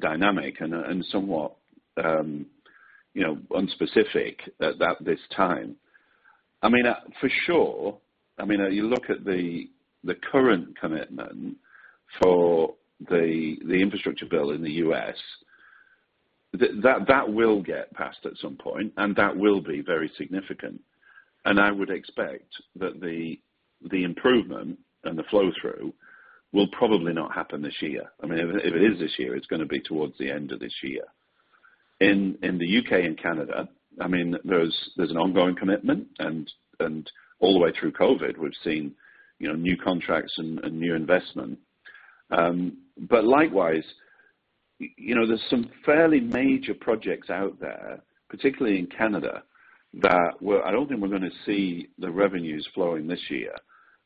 dynamic and somewhat unspecific at this time. For sure, you look at the current commitment for the infrastructure bill in the U.S., that will get passed at some point, and that will be very significant. I would expect that the improvement and the flow-through will probably not happen this year. If it is this year, it's gonna be towards the end of this year. In the U.K. and Canada, there's an ongoing commitment. All the way through COVID, we've seen new contracts and new investment. Likewise, there's some fairly major projects out there, particularly in Canada, that I don't think we're gonna see the revenues flowing this year,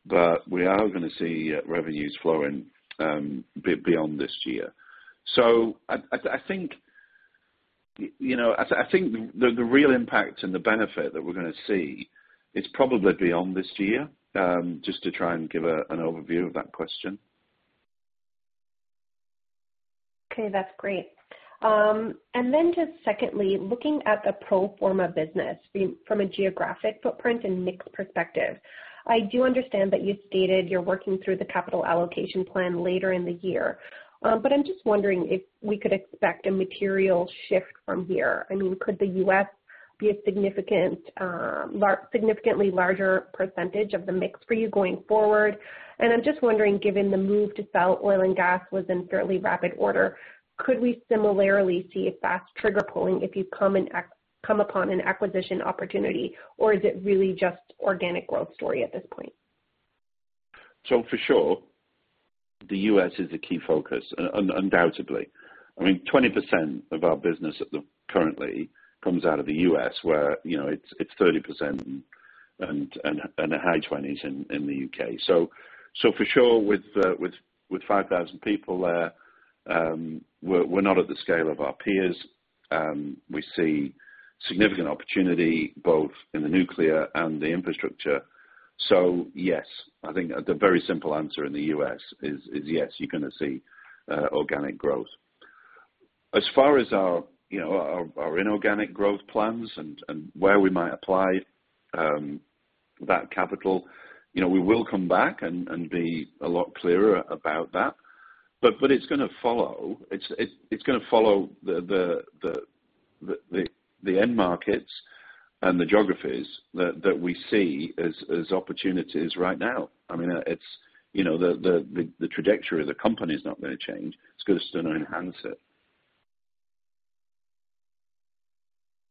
but we are gonna see revenues flowing beyond this year. I think the real impact and the benefit that we're gonna see is probably beyond this year, just to try and give an overview of that question. Okay, that's great. Just secondly, looking at the pro forma business from a geographic footprint and mix perspective. I do understand that you stated you're working through the capital allocation plan later in the year. I'm just wondering if we could expect a material shift from here. Could the U.S. be a significantly larger percentage of the mix for you going forward? I'm just wondering, given the move to sell oil and gas was in fairly rapid order, could we similarly see a fast trigger pulling if you come upon an acquisition opportunity? Is it really just organic growth story at this point? For sure, the U.S. is a key focus, undoubtedly. 20% of our business currently comes out of the U.S., where it's 30% and high 20s in the U.K. For sure, with 5,000 people there, we're not at the scale of our peers. We see significant opportunity both in the nuclear and the infrastructure. Yes. I think the very simple answer in the U.S. is yes, you're gonna see organic growth. As far as our inorganic growth plans and where we might apply that capital, we will come back and be a lot clearer about that. It's gonna follow the end markets and the geographies that we see as opportunities right now. The trajectory of the company is not gonna change. It's gonna enhance it.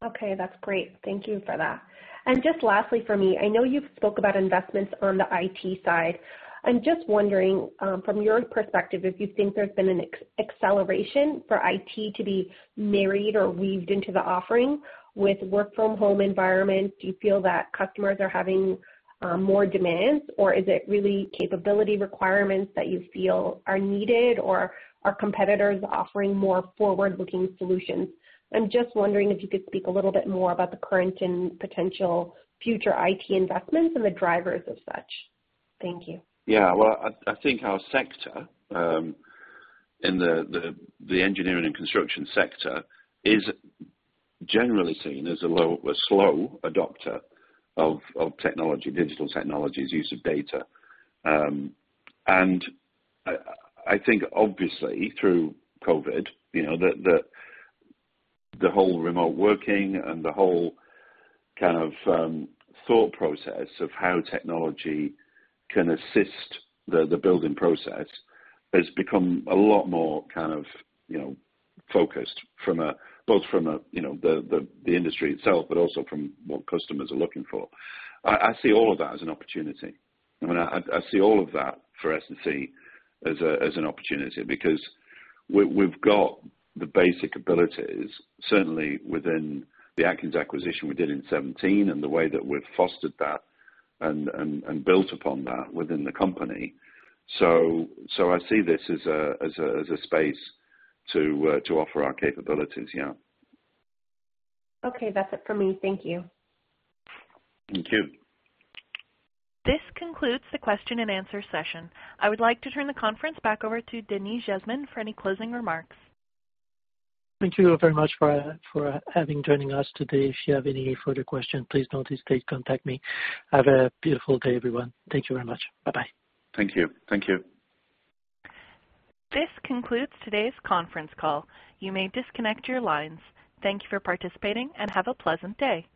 Okay, that's great. Thank you for that. Just lastly for me, I know you've spoke about investments on the IT side. I'm just wondering, from your perspective, if you think there's been an acceleration for IT to be married or weaved into the offering with work from home environments. Do you feel that customers are having more demands, or is it really capability requirements that you feel are needed, or are competitors offering more forward-looking solutions? I'm just wondering if you could speak a little bit more about the current and potential future IT investments and the drivers as such. Thank you. Yeah. Well, I think our sector, in the engineering and construction sector, is generally seen as a slow adopter of technology, digital technologies, use of data. I think, obviously, through COVID-19, the whole remote working and the whole kind of thought process of how technology can assist the building process has become a lot more focused, both from the industry itself, but also from what customers are looking for. I see all of that as an opportunity. I see all of that for SNC-Lavalin as an opportunity because we've got the basic abilities, certainly within the Atkins acquisition we did in 2017 and the way that we've fostered that and built upon that within the company. I see this as a space to offer our capabilities, yeah. Okay, that's it for me. Thank you. Thank you. This concludes the question and answer session. I would like to turn the conference back over to Denis Jasmin for any closing remarks. Thank you very much for joining us today. If you have any further questions, please don't hesitate to contact me. Have a beautiful day, everyone. Thank you very much. Bye-bye. Thank you. This concludes today's conference call. You may disconnect your lines. Thank you for participating and have a pleasant day.